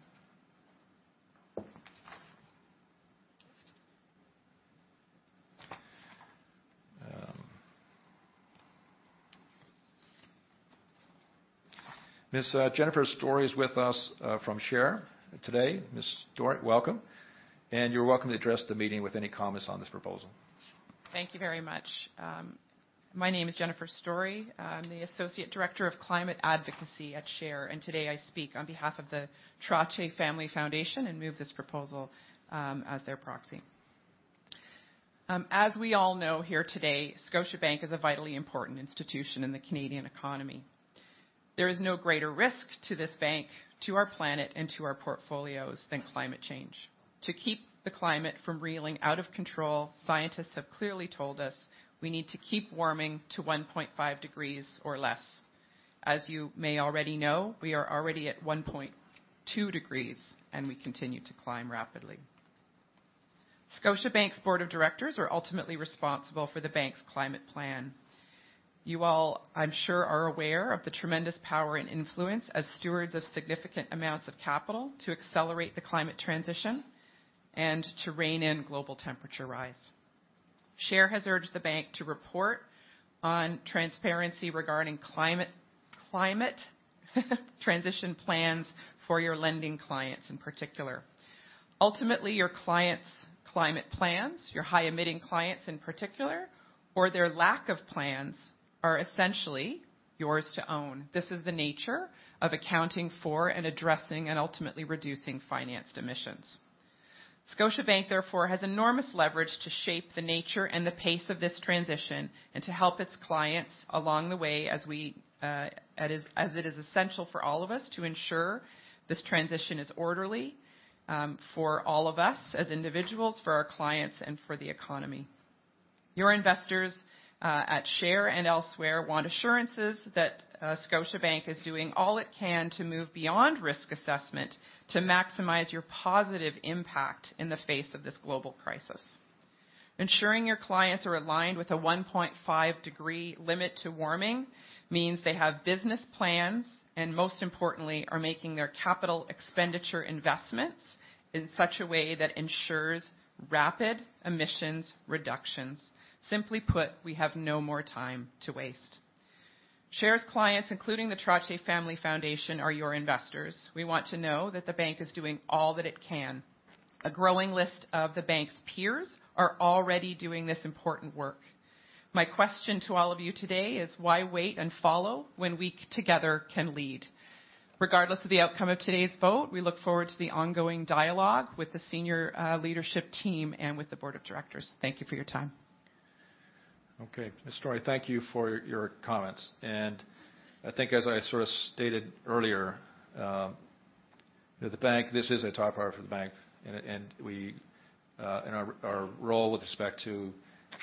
Ms. Jennifer Story is with us from SHARE today. Ms. Story, welcome. You're welcome to address the meeting with any comments on this proposal. Thank you very much. My name is Jennifer Story. I'm the Associate Director of Climate Advocacy at SHARE. Today I speak on behalf of the Trottier Family Foundation and move this proposal as their proxy. As we all know here today, Scotiabank is a vitally important institution in the Canadian economy. There is no greater risk to this bank, to our planet, and to our portfolios than climate change. To keep the climate from reeling out of control, scientists have clearly told us we need to keep warming to 1.5 degrees or less. As you may already know, we are already at 1.2 degrees, and we continue to climb rapidly. Scotiabank's board of directors are ultimately responsible for the bank's climate plan. You all, I'm sure, are aware of the tremendous power and influence as stewards of significant amounts of capital to accelerate the climate transition and to rein in global temperature rise. SHARE has urged the bank to report on transparency regarding climate transition plans for your lending clients in particular. Ultimately, your clients' climate plans, your high emitting clients in particular, or their lack of plans are essentially yours to own. This is the nature of accounting for and addressing and ultimately reducing financed emissions. Scotiabank, therefore, has enormous leverage to shape the nature and the pace of this transition and to help its clients along the way as we, as it is essential for all of us to ensure this transition is orderly, for all of us as individuals, for our clients, and for the economy. Your investors at SHARE and elsewhere want assurances that Scotiabank is doing all it can to move beyond risk assessment to maximize your positive impact in the face of this global crisis. Ensuring your clients are aligned with a 1.5 degree limit to warming means they have business plans, most importantly, are making their capital expenditure investments in such a way that ensures rapid emissions reductions. Simply put, we have no more time to waste. SHARE's clients, including the Trottier Family Foundation, are your investors. We want to know that the bank is doing all that it can. A growing list of the bank's peers are already doing this important work. My question to all of you today is why wait and follow when we together can lead? Regardless of the outcome of today's vote, we look forward to the ongoing dialogue with the senior leadership team and with the board of directors. Thank you for your time. Okay. Ms. Story, thank you for your comments. I think as I sort of stated earlier, This is a top priority for The Bank of Nova Scotia. We in our role with respect to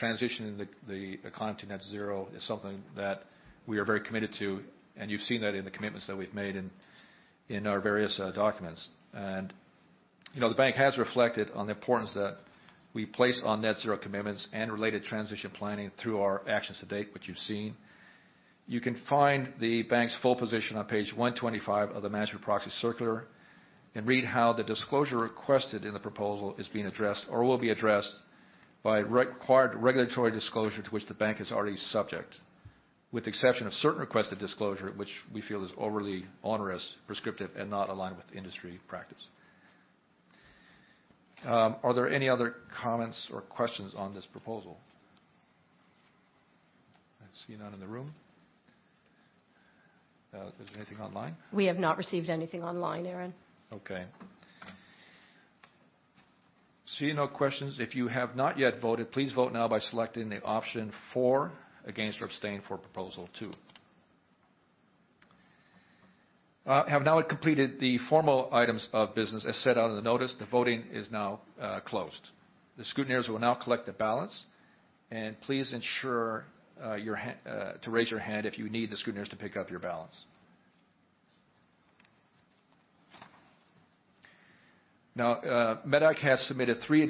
transitioning the economy to net-zero is something that we are very committed to, and you've seen that in the commitments that we've made in our various documents. You know, the Bank has reflected on the importance that we place on net-zero commitments and related transition planning through our actions to date, which you've seen. You can find the bank's full position on page 125 of the management proxy circular and read how the disclosure requested in the proposal is being addressed or will be addressed by re-required regulatory disclosure to which the bank is already subject, with the exception of certain requested disclosure, which we feel is overly onerous, prescriptive, and not aligned with industry practice. Are there any other comments or questions on this proposal? I see none in the room. Is there anything online? We have not received anything online, Aaron. Okay. Seeing no questions. If you have not yet voted, please vote now by selecting the option for, against, or abstain for proposal two. Have now completed the formal items of business as set out in the notice. The voting is now closed. The scrutineers will now collect the ballots. Please ensure to raise your hand if you need the scrutineers to pick up your ballots. Now, MÉDAC has submitted three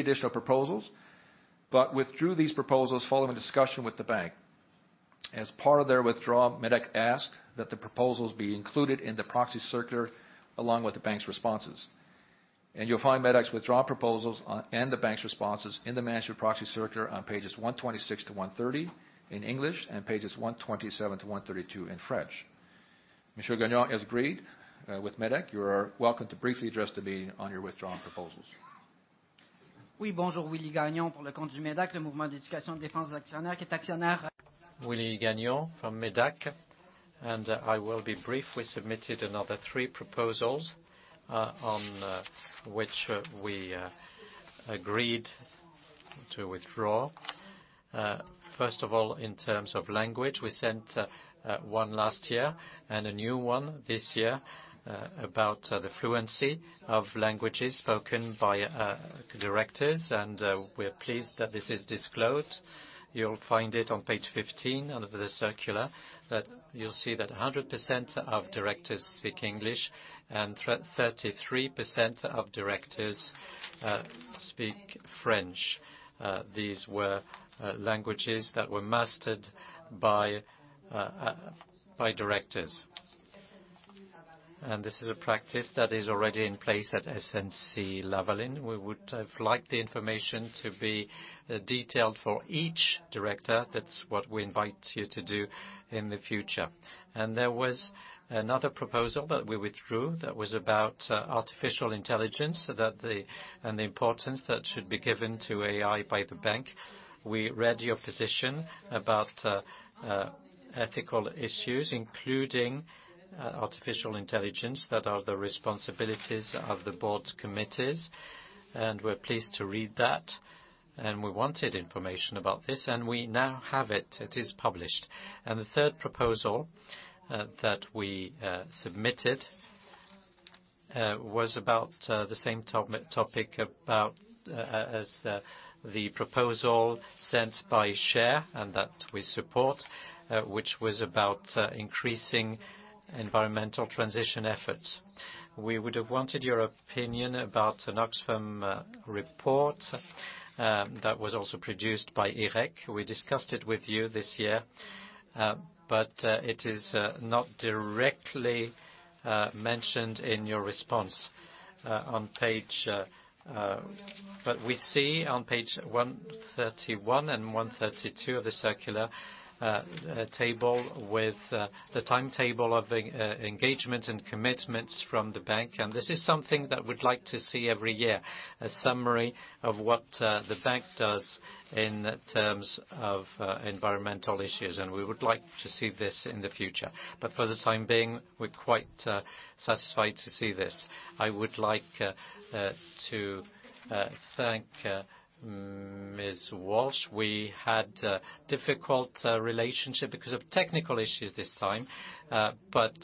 additional proposals, withdrew these proposals following discussion with the bank. As part of their withdrawal, MÉDAC asked that the proposals be included in the proxy circular along with the bank's responses. You'll find MÉDAC's withdrawal proposals on... The bank's responses in the management proxy circular on pages 126-130 in English and pages 127-132 in French. Monsieur Gagnon has agreed with MÉDAC. You're welcome to briefly address the meeting on your withdrawn proposals. Willie Gagnon from MÉDAC. I will be brief. We submitted another three proposals on which we agreed to withdraw. First of all, in terms of language, we sent one last year and a new one this year about the fluency of languages spoken by directors, and we're pleased that this is disclosed. You'll find it on page 15 of the circular, that you'll see that 100% of directors speak English and 33% of directors speak French. These were languages that were mastered by directors. This is a practice that is already in place at SNC-Lavalin. We would have liked the information to be detailed for each director. That's what we invite you to do in the future. There was another proposal that we withdrew that was about artificial intelligence, and the importance that should be given to AI by the bank. We read your position about ethical issues, including artificial intelligence, that are the responsibilities of the board's committees, and we're pleased to read that. We wanted information about this, and we now have it. It is published. The third proposal that we submitted was about the same top-topic as the proposal sent by SHARE and that we support, which was about increasing environmental transition efforts. We would have wanted your opinion about an Oxfam report that was also produced by IRÉC. We discussed it with you this year, but it is not directly mentioned in your response on page... We see on page 131 and 132 of the circular, a table with the timetable of engagement and commitments from the bank. This is something that we'd like to see every year. A summary of what the bank does in terms of environmental issues, and we would like to see this in the future. For the time being, we're quite satisfied to see this. I would like to thank Ms. Walsh. We had a difficult relationship because of technical issues this time, but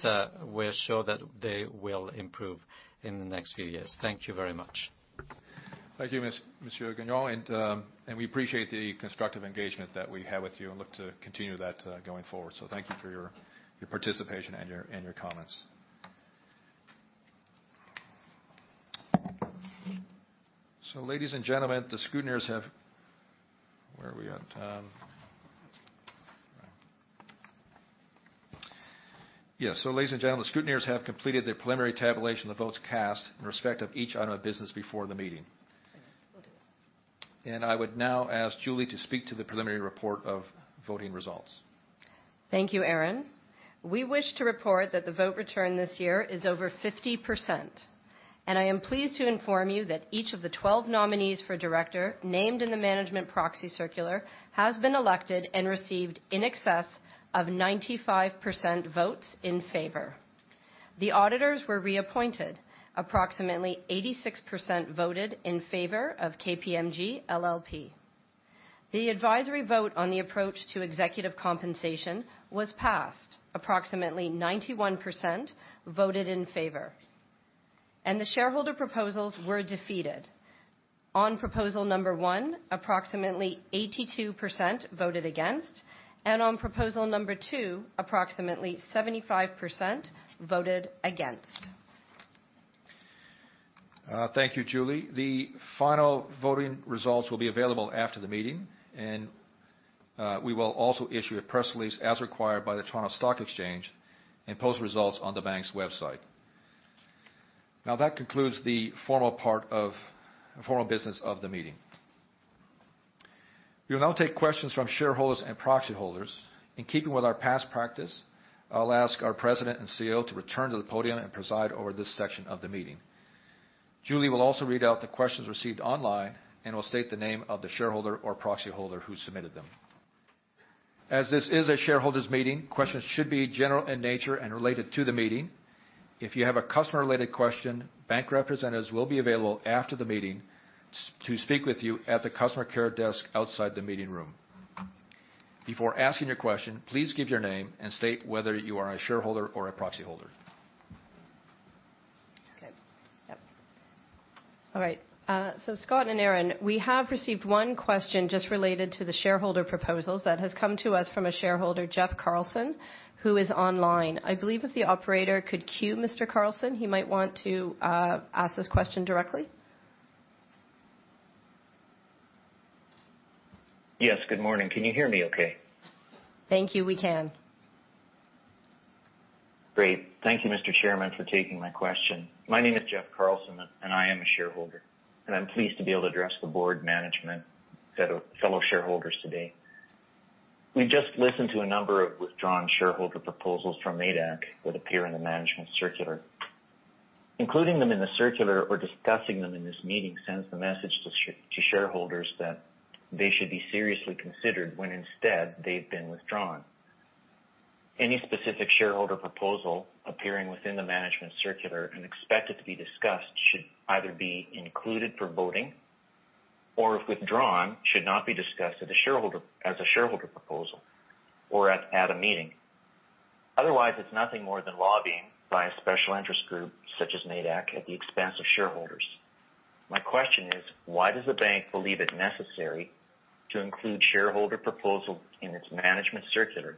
we're sure that they will improve in the next few years. Thank you very much. Thank you, Monsieur Gagnon. we appreciate the constructive engagement that we have with you and look to continue that going forward. Thank you for your participation and your comments. Ladies and gentlemen, the scrutineers have completed their preliminary tabulation of the votes cast in respect of each item of business before the meeting. We'll do it. I would now ask Julie to speak to the preliminary report of voting results. Thank you, Aaron. We wish to report that the vote return this year is over 50%. I am pleased to inform you that each of the 12 nominees for director named in the management proxy circular has been elected and received in excess of 95% votes in favor. The auditors were reappointed. Approximately 86% voted in favor of KPMG LLP. The advisory vote on the approach to executive compensation was passed. Approximately 91% voted in favor. The shareholder proposals were defeated. On proposal number one, approximately 82% voted against, and on proposal number two, approximately 75% voted against. Thank you, Julie. The final voting results will be available after the meeting. We will also issue a press release as required by the Toronto Stock Exchange and post results on the bank's website. That concludes the formal business of the meeting. We will now take questions from shareholders and proxy holders. In keeping with our past practice, I'll ask our president and CEO to return to the podium and preside over this section of the meeting. Julie will also read out the questions received online and will state the name of the shareholder or proxy holder who submitted them. As this is a shareholders meeting, questions should be general in nature and related to the meeting. If you have a customer-related question, bank representatives will be available after the meeting to speak with you at the customer care desk outside the meeting room. Before asking your question, please give your name and state whether you are a shareholder or a proxy holder. Okay. Yep. All right. Scott and Aaron, we have received one question just related to the shareholder proposals that has come to us from a shareholder, Jeff Carlson, who is online. I believe if the operator could queue Mr. Carlson, he might want to ask this question directly. Yes, good morning. Can you hear me okay? Thank you. We can. Great. Thank you, Mr. Chairman, for taking my question. My name is Jeff Carlson, I am a shareholder. I'm pleased to be able to address the board management, fellow shareholders today. We just listened to a number of withdrawn shareholder proposals from MÉDAC that appear in the management circular. Including them in the circular or discussing them in this meeting sends the message to shareholders that they should be seriously considered when instead they've been withdrawn. Any specific shareholder proposal appearing within the management circular and expected to be discussed should either be included for voting or if withdrawn should not be discussed as a shareholder proposal or at a meeting. Otherwise, it's nothing more than lobbying by a special interest group such as MÉDAC at the expense of shareholders. My question is, why does the bank believe it necessary to include shareholder proposals in its management circular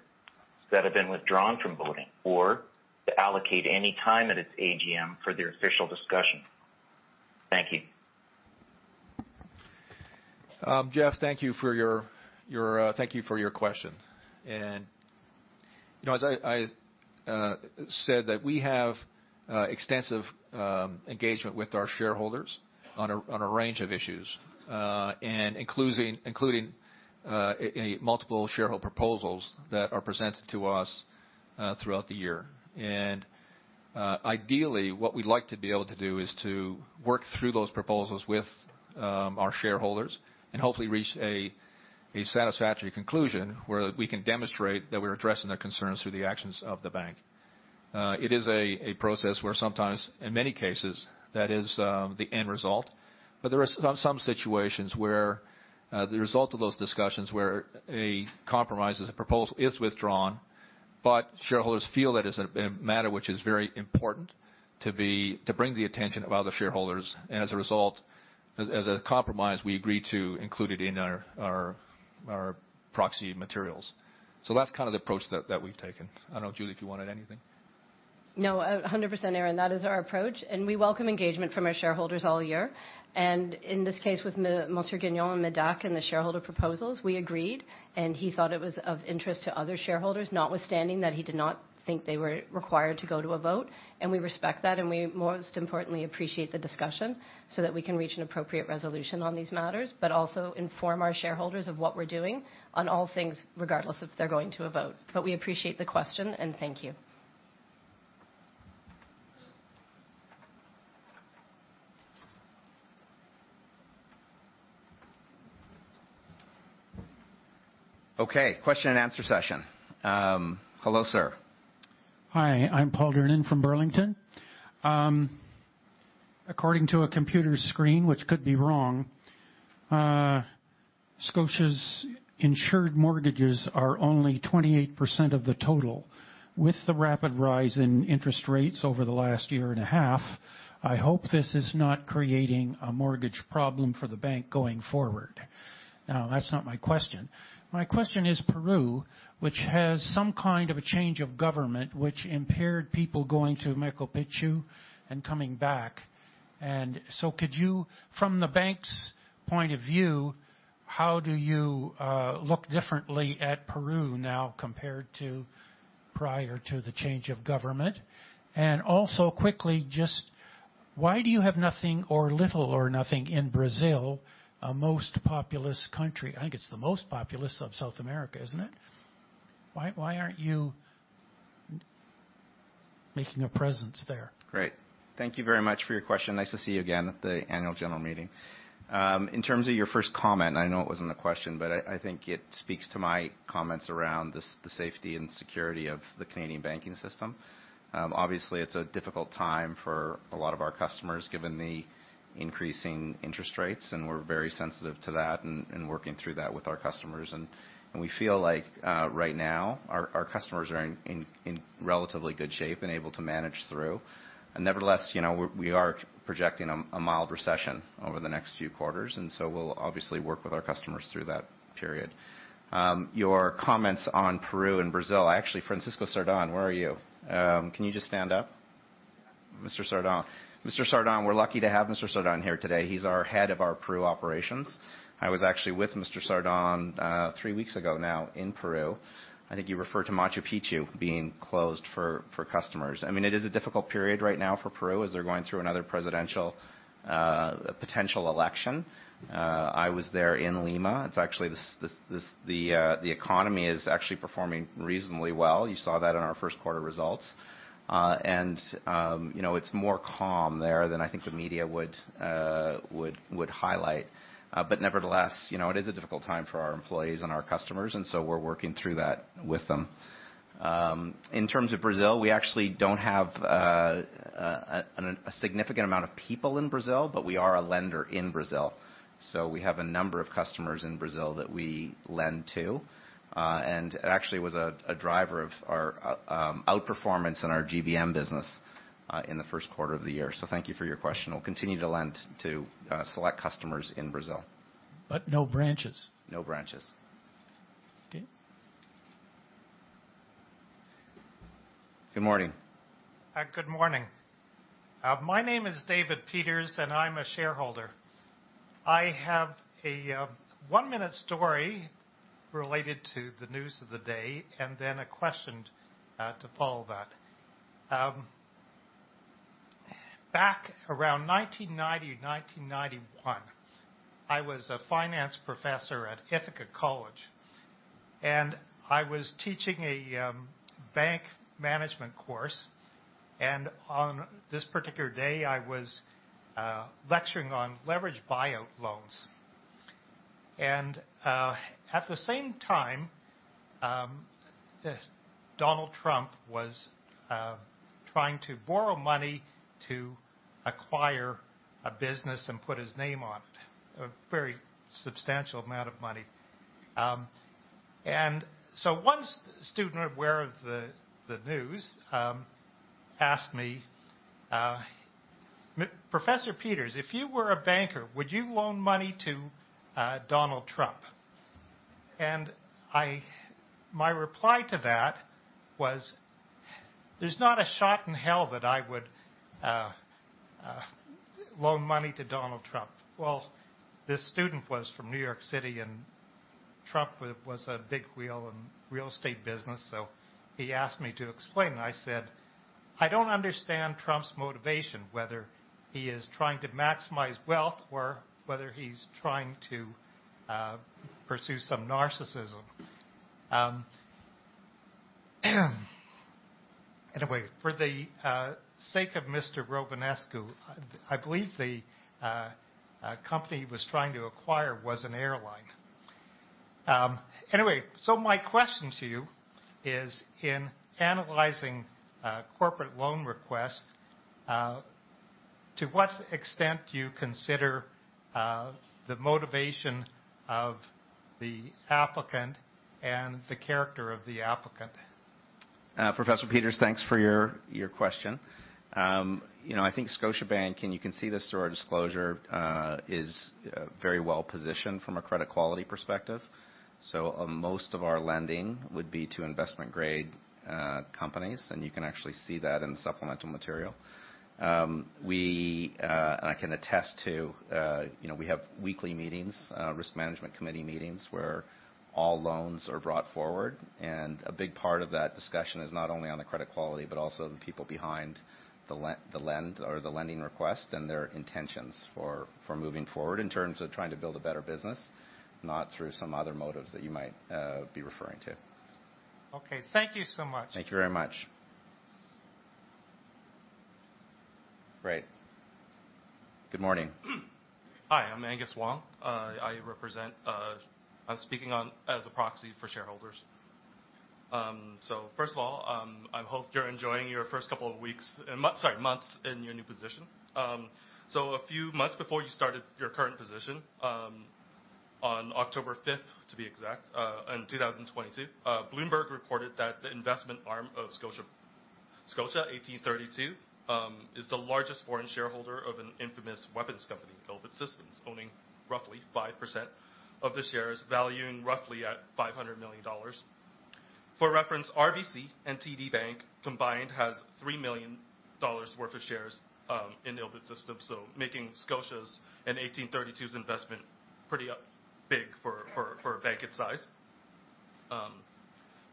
that have been withdrawn from voting or to allocate any time at its AGM for their official discussion? Thank you. Jeff, thank you for your question. You know, as I said that we have extensive engagement with our shareholders on a range of issues, including any multiple shareholder proposals that are presented to us throughout the year. Ideally, what we'd like to be able to do is to work through those proposals with our shareholders and hopefully reach a satisfactory conclusion where we can demonstrate that we're addressing their concerns through the actions of the bank. It is a process where sometimes, in many cases, that is the end result. There are some situations where the result of those discussions where a compromise is a proposal is withdrawn, but shareholders feel that it's a matter which is very important to bring the attention of other shareholders. As a result, as a compromise, we agree to include it in our proxy materials. That's kind of the approach that we've taken. I don't know, Julie, if you wanted anything. No. 100%, Aaron. That is our approach. We welcome engagement from our shareholders all year. In this case, with Monsieur Gagnon and MÉDAC and the shareholder proposals, we agreed, and he thought it was of interest to other shareholders, notwithstanding that he did not think they were required to go to a vote. We respect that, and we most importantly appreciate the discussion so that we can reach an appropriate resolution on these matters, but also inform our shareholders of what we're doing on all things, regardless if they're going to a vote. We appreciate the question, and thank you. Okay, question and answer session. Hello, sir. Hi, I'm Paul Durnin from Burlington. According to a computer screen, which could be wrong, Scotiabank's insured mortgages are only 28% of the total. With the rapid rise in interest rates over the last year and a half, I hope this is not creating a mortgage problem for the bank going forward. That's not my question. My question is Peru, which has some kind of a change of government which impaired people going to Machu Picchu and coming back. From the bank's point of view, how do you look differently at Peru now compared to prior to the change of government? Quickly, just why do you have nothing or little or nothing in Brazil, a most populous country? I think it's the most populous of South America, isn't it? Why aren't you making a presence there? Great. Thank you very much for your question. Nice to see you again at the annual general meeting. In terms of your first comment, I know it wasn't a question, but I think it speaks to my comments around the safety and security of the Canadian banking system. Obviously it's a difficult time for a lot of our customers, given the increasing interest rates, and we're very sensitive to that and working through that with our customers. We feel like right now our customers are in relatively good shape and able to manage through. We are projecting a mild recession over the next few quarters, and so we'll obviously work with our customers through that period. Your comments on Peru and Brazil. Actually, Francisco Sardón, where are you? Can you just stand up? Mr. Sardón. Mr. Sardón, we're lucky to have Mr. Sardón here today. He's our head of our Peru operations. I was actually with Mr. Sardón, three weeks ago now in Peru. I think you refer to Machu Picchu being closed for customers. I mean, it is a difficult period right now for Peru as they're going through another presidential, potential election. I was there in Lima. The economy is actually performing reasonably well. You saw that in our Q1 results. You know, it's more calm there than I think the media would highlight. Nevertheless, you know, it is a difficult time for our employees and our customers, we're working through that with them. In terms of Brazil, we actually don't have a significant amount of people in Brazil, but we are a lender in Brazil. We have a number of customers in Brazil that we lend to. And it actually was a driver of our outperformance in our GBM business in the Q1 of the year. Thank you for your question. We'll continue to lend to select customers in Brazil. No branches. No branches. Okay. Good morning. Good morning. My name is David Peters, and I'm a shareholder. I have a one-minute story related to the news of the day and then a question to follow that. Back around 1990, 1991, I was a finance professor at Ithaca College, and I was teaching a bank management course. On this particular day, I was lecturing on leverage buyout loans. At the same time, Donald Trump was trying to borrow money to acquire a business and put his name on it, a very substantial amount of money. One student aware of the news asked me, "Professor Peters, if you were a banker, would you loan money to Donald Trump?" My reply to that was, "There's not a shot in hell that I would loan money to Donald Trump." Well, this student was from New York City, and Trump was a big wheel in real estate business, so he asked me to explain. I said, "I don't understand Trump's motivation, whether he is trying to maximize wealth or whether he's trying to pursue some narcissism." Anyway, for the sake of Mr. Rovinescu, I believe the company he was trying to acquire was an airline. anyway, my question to you is, in analyzing a corporate loan request, to what extent do you consider, the motivation of the applicant and the character of the applicant? Professor Peters, thanks for your question. You know, I think Scotiabank, and you can see this through our disclosure, is very well positioned from a credit quality perspective. Most of our lending would be to investment grade companies, and you can actually see that in the supplemental material. I can attest to, you know, we have weekly meetings, risk management committee meetings, where all loans are brought forward. A big part of that discussion is not only on the credit quality, but also the people behind the lend or the lending request and their intentions for moving forward in terms of trying to build a better business, not through some other motives that you might be referring to. Okay, thank you so much. Thank you very much. Great. Good morning. Hi, I'm Angus Wong. I represent, I'm speaking on as a proxy for shareholders. First of all, I hope you're enjoying your first couple of weeks, sorry, months in your new position. A few months before you started your current position, on 5 October to be exact, in 2022, Bloomberg reported that the investment arm of Scotia 1832, is the largest foreign shareholder of an infamous weapons company, Elbit Systems, owning roughly 5% of the shares, valuing roughly at 500 million dollars. For reference, RBC and TD Bank combined has 3 million dollars worth of shares in Elbit Systems. Making Scotia's and 1832's investment pretty big for a bank its size.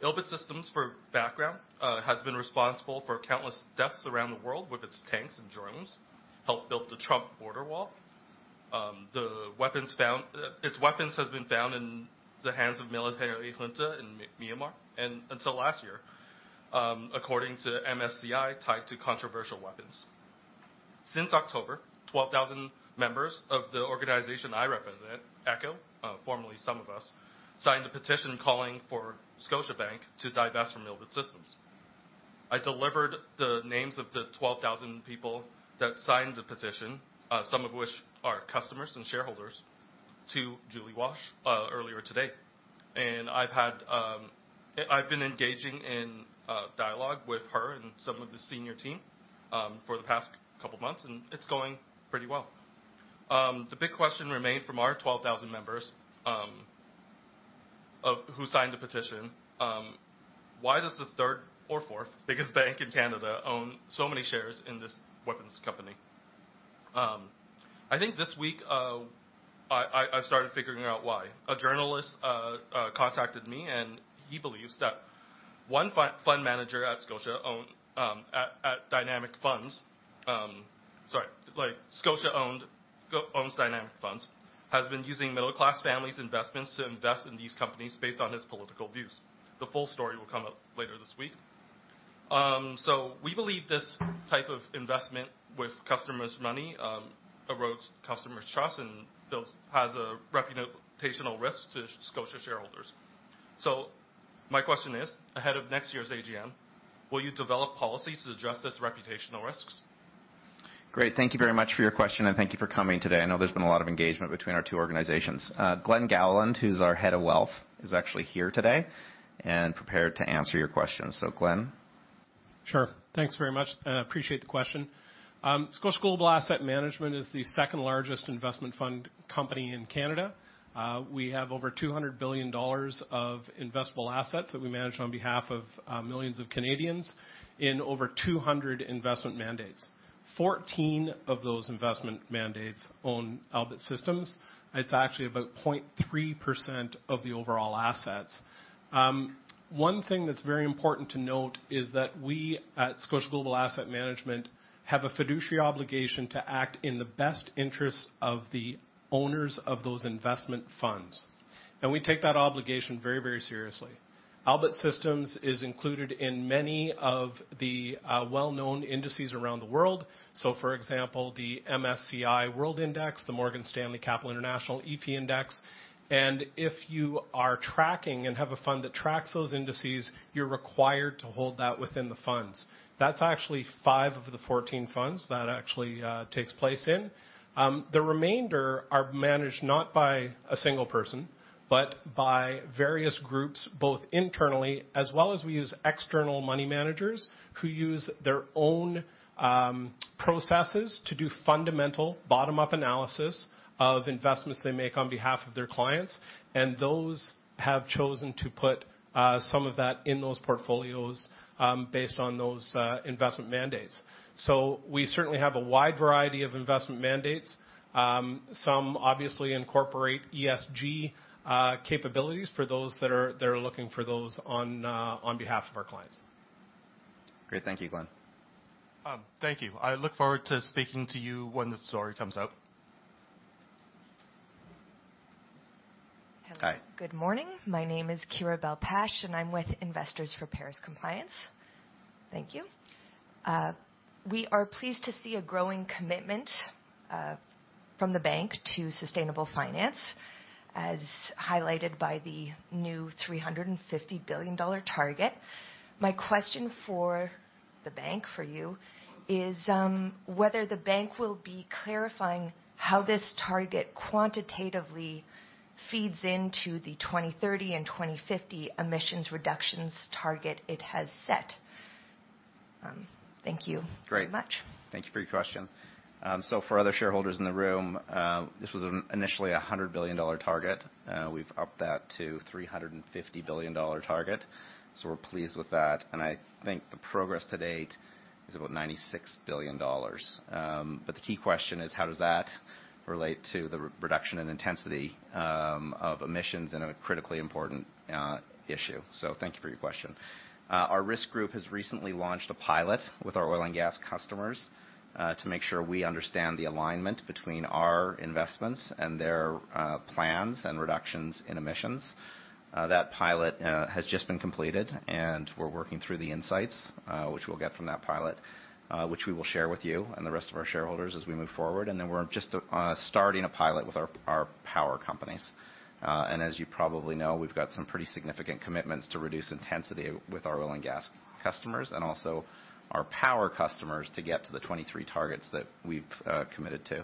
Elbit Systems, for background, has been responsible for countless deaths around the world with its tanks and drones, helped build the Trump border wall. Its weapons has been found in the hands of military junta in Myanmar. Until last year, according to MSCI, tied to controversial weapons. Since October, 12,000 members of the organization I represent, ECHO, formerly Some of Us, signed a petition calling for Scotiabank to divest from Elbit Systems. I delivered the names of the 12,000 people that signed the petition, some of which are customers and shareholders, to Julie Walsh earlier today. I've been engaging in dialogue with her and some of the senior team, for the past couple of months, and it's going pretty well. The big question remained from our 12,000 members who signed the petition, why does the third or fourth biggest bank in Canada own so many shares in this weapons company? I think this week, I started figuring out why. A journalist contacted me, he believes that one fund manager at Dynamic Funds. Sorry, like Scotia owns Dynamic Funds, has been using middle-class families' investments to invest in these companies based on his political views. The full story will come out later this week. We believe this type of investment with customers' money erodes customers' trust and has a reputational risk to Scotia shareholders. My question is, ahead of next year's AGM, will you develop policies to address this reputational risks? Great. Thank you very much for your question. Thank you for coming today. I know there's been a lot of engagement between our two organizations. Glen Gowland, who's our head of wealth, is actually here today and prepared to answer your question. Glenn. Sure. Thanks very much. I appreciate the question. Scotia Global Asset Management is the second largest investment fund company in Canada. We have over 200 billion dollars of investable assets that we manage on behalf of millions of Canadians in over 200 investment mandates. 14 of those investment mandates own Elbit Systems. It's actually about 0.3% of the overall assets. One thing that's very important to note is that we at Scotia Global Asset Management have a fiduciary obligation to act in the best interest of the owners of those investment funds. We take that obligation very, very seriously. Elbit Systems is included in many of the well-known indices around the world. For example, the MSCI World Index, the Morgan Stanley Capital International EAFE index. If you are tracking and have a fund that tracks those indices, you're required to hold that within the funds. That's actually five of the 14 funds that actually takes place in. The remainder are managed not by a single person, but by various groups, both internally, as well as we use external money managers who use their own processes to do fundamental bottom-up analysis of investments they make on behalf of their clients. Those have chosen to put some of that in those portfolios, based on those investment mandates. We certainly have a wide variety of investment mandates. Some obviously incorporate ESG capabilities for those that are looking for those on behalf of our clients. Great. Thank you, Glen. Thank you. I look forward to speaking to you when the story comes out. Hi. Hello. Good morning. My name is Kyra Bell-Pasht, and I'm with Investors for Paris Compliance. Thank you. We are pleased to see a growing commitment from the bank to sustainable finance, as highlighted by the new 350 billion dollar target. My question for the bank, for you, is whether the bank will be clarifying how this target quantitatively feeds into the 2030 and 2050 emissions reductions target it has set. Thank you very much. Great. Thank you for your question. For other shareholders in the room, this was initially a 100 billion dollar target. We've upped that to 350 billion dollar target, we're pleased with that. I think the progress to date is about 96 billion dollars. The key question is, how does that relate to the reduction in intensity of emissions in a critically important issue? Thank you for your question. Our risk group has recently launched a pilot with our oil and gas customers to make sure we understand the alignment between our investments and their plans and reductions in emissions. That pilot has just been completed, and we're working through the insights, which we'll get from that pilot, which we will share with you and the rest of our shareholders as we move forward. We're just starting a pilot with our power companies. As you probably know, we've got some pretty significant commitments to reduce intensity with our oil and gas customers and also our power customers to get to the 23 targets that we've committed to.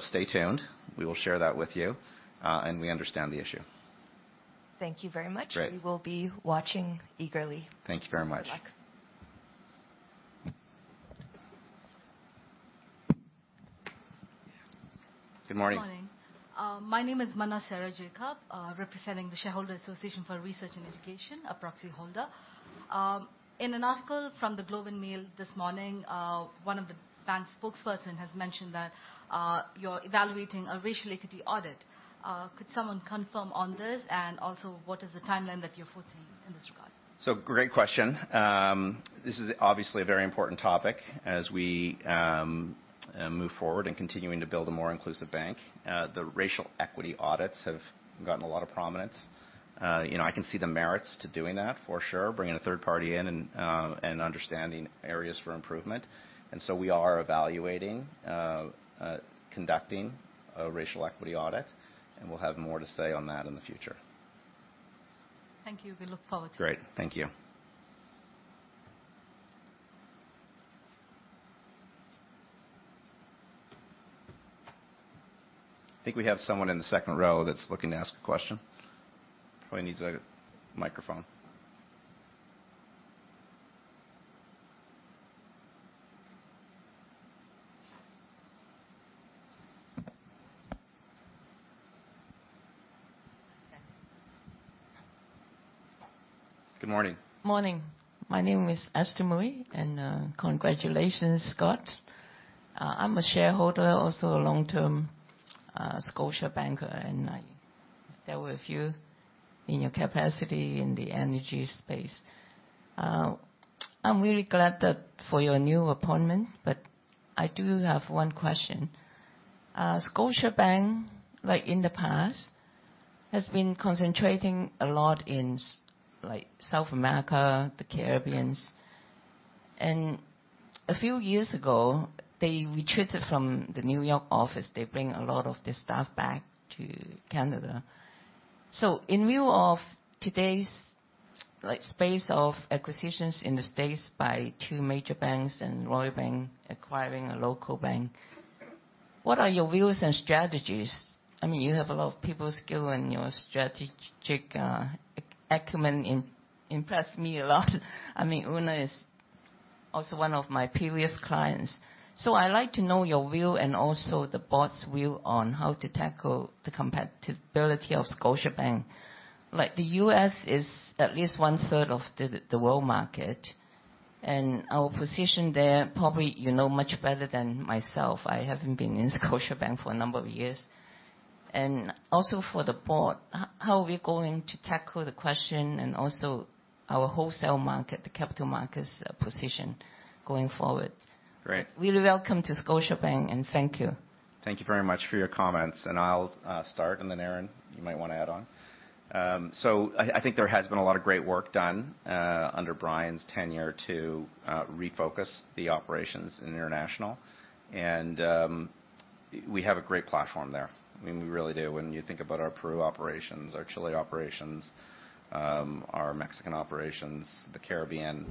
Stay tuned. We will share that with you, and we understand the issue. Thank you very much. Great. We will be watching eagerly. Thank you very much. Good luck. Good morning. Good morning. My name is Manna Sarah Jacob, representing the Shareholder Association for Research and Education, a proxy holder. In an article from The Globe and Mail this morning, one of the bank's spokesperson has mentioned that you're evaluating a racial equity audit. Could someone confirm on this? Also, what is the timeline that you foresee in this regard? Great question. This is obviously a very important topic as we move forward in continuing to build a more inclusive bank. The racial equity audits have gotten a lot of prominence. You know, I can see the merits to doing that for sure, bringing a third party in and understanding areas for improvement. We are evaluating conducting a racial equity audit, and we'll have more to say on that in the future. Thank you. We look forward to it. Great. Thank you. I think we have someone in the second row that's looking to ask a question. Probably needs a microphone. Thanks. Good morning. Morning. My name is Esther Mui. Congratulations, Scott. I'm a shareholder, also a long-term Scotiabanker, and I dealt with you in your capacity in the energy space. I'm really glad that for your new appointment. I do have one question. Scotiabank, like in the past, has been concentrating a lot in like South America, the Caribbeans, and a few years ago, they retreated from the New York office. They bring a lot of the staff back to Canada. In view of today's like space of acquisitions in the U.S. by two major banks and Royal Bank acquiring a local bank, what are your views and strategies? I mean, you have a lot of people skill, and your strategic acumen impress me a lot. I mean, Una is also one of my previous clients. I like to know your view and also the board's view on how to tackle the compatibility of Scotiabank. Like the U.S. is at least one-third of the world market, and our position there, probably you know much better than myself. I haven't been in Scotiabank for a number of years. Also for the board, how are we going to tackle the question and also our wholesale market, the capital markets, position going forward? Great. Really welcome to Scotiabank, and thank you. Thank you very much for your comments. I'll start, and then Aaron, you might wanna add on. I think there has been a lot of great work done under Brian's tenure to refocus the operations in international. We have a great platform there. I mean, we really do. When you think about our Peru operations, our Chile operations, our Mexican operations, the Caribbean,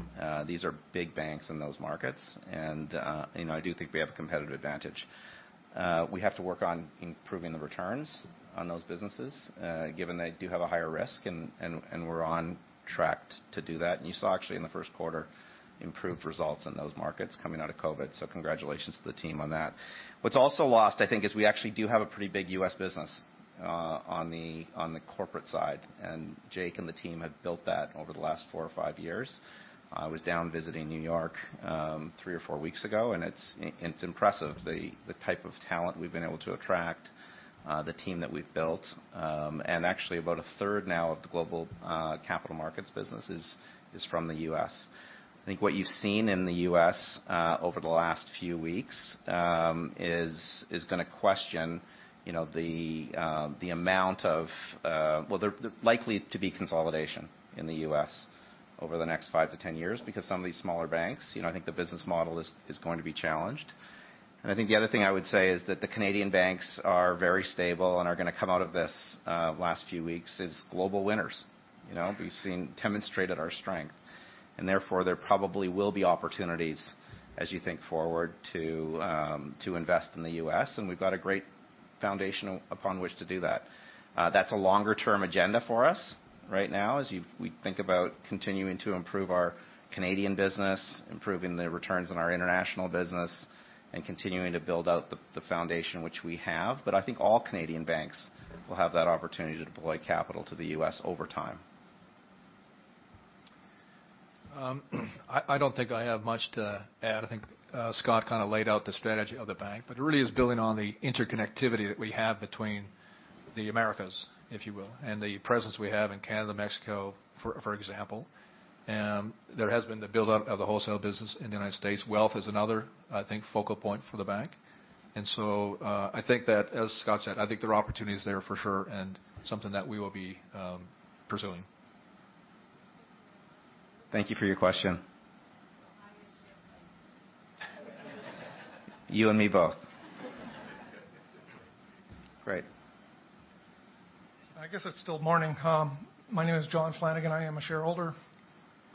these are big banks in those markets. You know, I do think we have a competitive advantage. We have to work on improving the returns on those businesses, given they do have a higher risk and we're on track to do that. You saw actually in the Q1, improved results in those markets coming out of COVID, so congratulations to the team on that. What's also lost, I think, is we actually do have a pretty big U.S. business on the corporate side, and Jake and the team have built that over the last four or five years. I was down visiting New York three or four weeks ago, and it's impressive the type of talent we've been able to attract, the team that we've built. Actually about a third now of the global capital markets business is from the U.S. I think what you've seen in the U.S. over the last few weeks is gonna question, you know, the amount of... Well there likely to be consolidation in the U.S. over the next five to 10 years because some of these smaller banks, you know, I think the business model is going to be challenged. I think the other thing I would say is that the Canadian banks are very stable and are gonna come out of this last few weeks as global winners. You know. We've demonstrated our strength, and therefore, there probably will be opportunities as you think forward to invest in the U.S., and we've got a great foundation upon which to do that. That's a longer term agenda for us right now, as we think about continuing to improve our Canadian business, improving the returns on our international business, and continuing to build out the foundation which we have. I think all Canadian banks will have that opportunity to deploy capital to the U.S. over time. I don't think I have much to add. I think Scott kind of laid out the strategy of the bank, but it really is building on the interconnectivity that we have between the Americas, if you will, and the presence we have in Canada, Mexico, for example. There has been the buildup of the wholesale business in the U.S.. Wealth is another, I think, focal point for the bank. I think that, as Scott said, I think there are opportunities there for sure and something that we will be pursuing. Thank you for your question. Well, I get champagne. You and me both. Great. I guess it's still morning. My name is John Flanagan. I am a shareholder.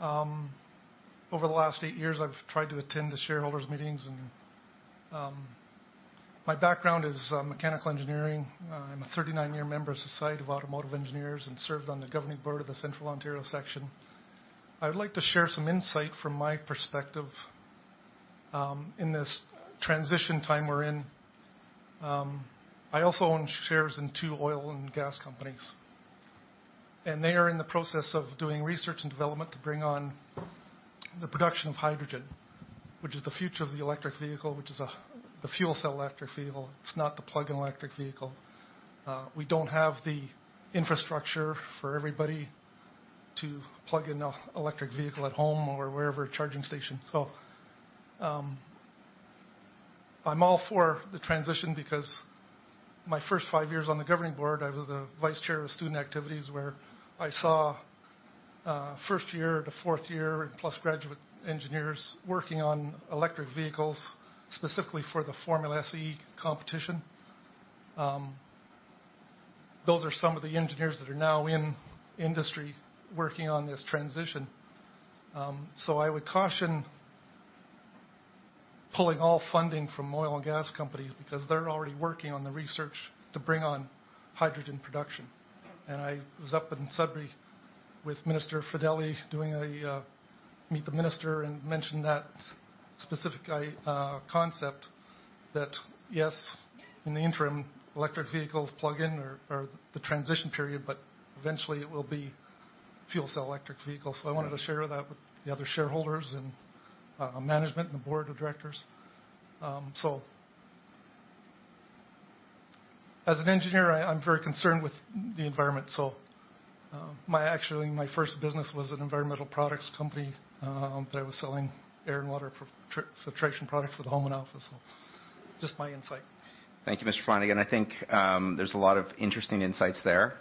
Over the last eight years, I've tried to attend the shareholders meetings and. My background is mechanical engineering. I'm a 39-year member of Society of Automotive Engineers and served on the governing board of the Central Ontario section. I would like to share some insight from my perspective in this transition time we're in. I also own shares in two oil and gas companies, and they are in the process of doing research and development to bring on the production of hydrogen, which is the future of the electric vehicle, which is the fuel cell electric vehicle. It's not the plug-in electric vehicle. We don't have the infrastructure for everybody to plug in the electric vehicle at home or wherever charging station. I'm all for the transition because my first five years on the governing board, I was the vice chair of student activities where I saw first year to fourth year plus graduate engineers working on electric vehicles, specifically for the Formula SAE competition. Those are some of the engineers that are now in industry working on this transition. I would caution pulling all funding from oil and gas companies because they're already working on the research to bring on hydrogen production. I was up in Sudbury with Minister Fedeli doing a meet the minister and mentioned that specific concept that yes, in the interim, electric vehicles plug in or the transition period, but eventually it will be fuel cell electric vehicles. I wanted to share that with the other shareholders and management and the Board of Directors. As an engineer, I'm very concerned with the environment. Actually, my first business was an environmental products company that I was selling air and water filtration products for the home and office. Just my insight. Thank you, Mr. Flanagan. I think there's a lot of interesting insights there.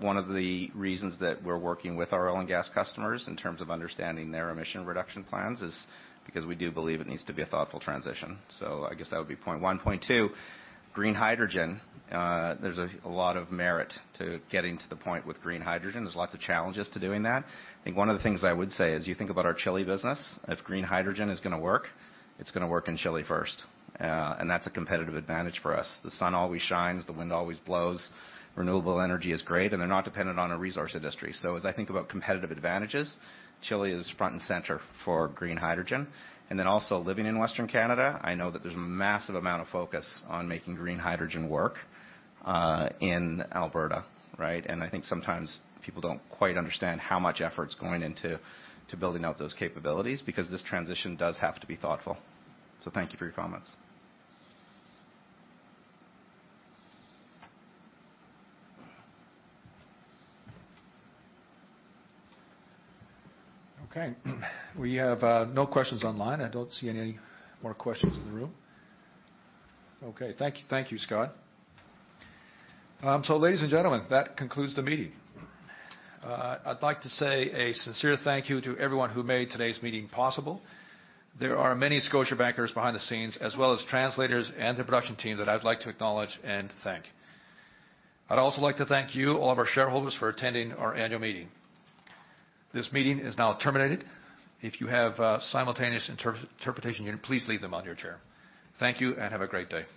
One of the reasons that we're working with our oil and gas customers in terms of understanding their emission reduction plans is because we do believe it needs to be a thoughtful transition. I guess that would be point one. Point two, green hydrogen. There's a lot of merit to getting to the point with green hydrogen. There's lots of challenges to doing that. I think one of the things I would say is you think about our Chile business. If green hydrogen is gonna work, it's gonna work in Chile first. That's a competitive advantage for us. The sun always shines, the wind always blows. Renewable energy is great, and they're not dependent on a resource industry. As I think about competitive advantages, Chile is front and center for green hydrogen. Then also living in Western Canada, I know that there's a massive amount of focus on making green hydrogen work in Alberta, right? I think sometimes people don't quite understand how much effort's going into building out those capabilities because this transition does have to be thoughtful. Thank you for your comments. Okay. We have no questions online. I don't see any more questions in the room. Okay. Thank you, thank you, Scott. Ladies and gentlemen, that concludes the meeting. I'd like to say a sincere thank you to everyone who made today's meeting possible. There are many Scotiabankers behind the scenes, as well as translators and the production team that I'd like to acknowledge and thank. I'd also like to thank you, all of our shareholders, for attending our annual meeting. This meeting is now terminated. If you have simultaneous inter-interpretation unit, please leave them on your chair. Thank you and have a great day.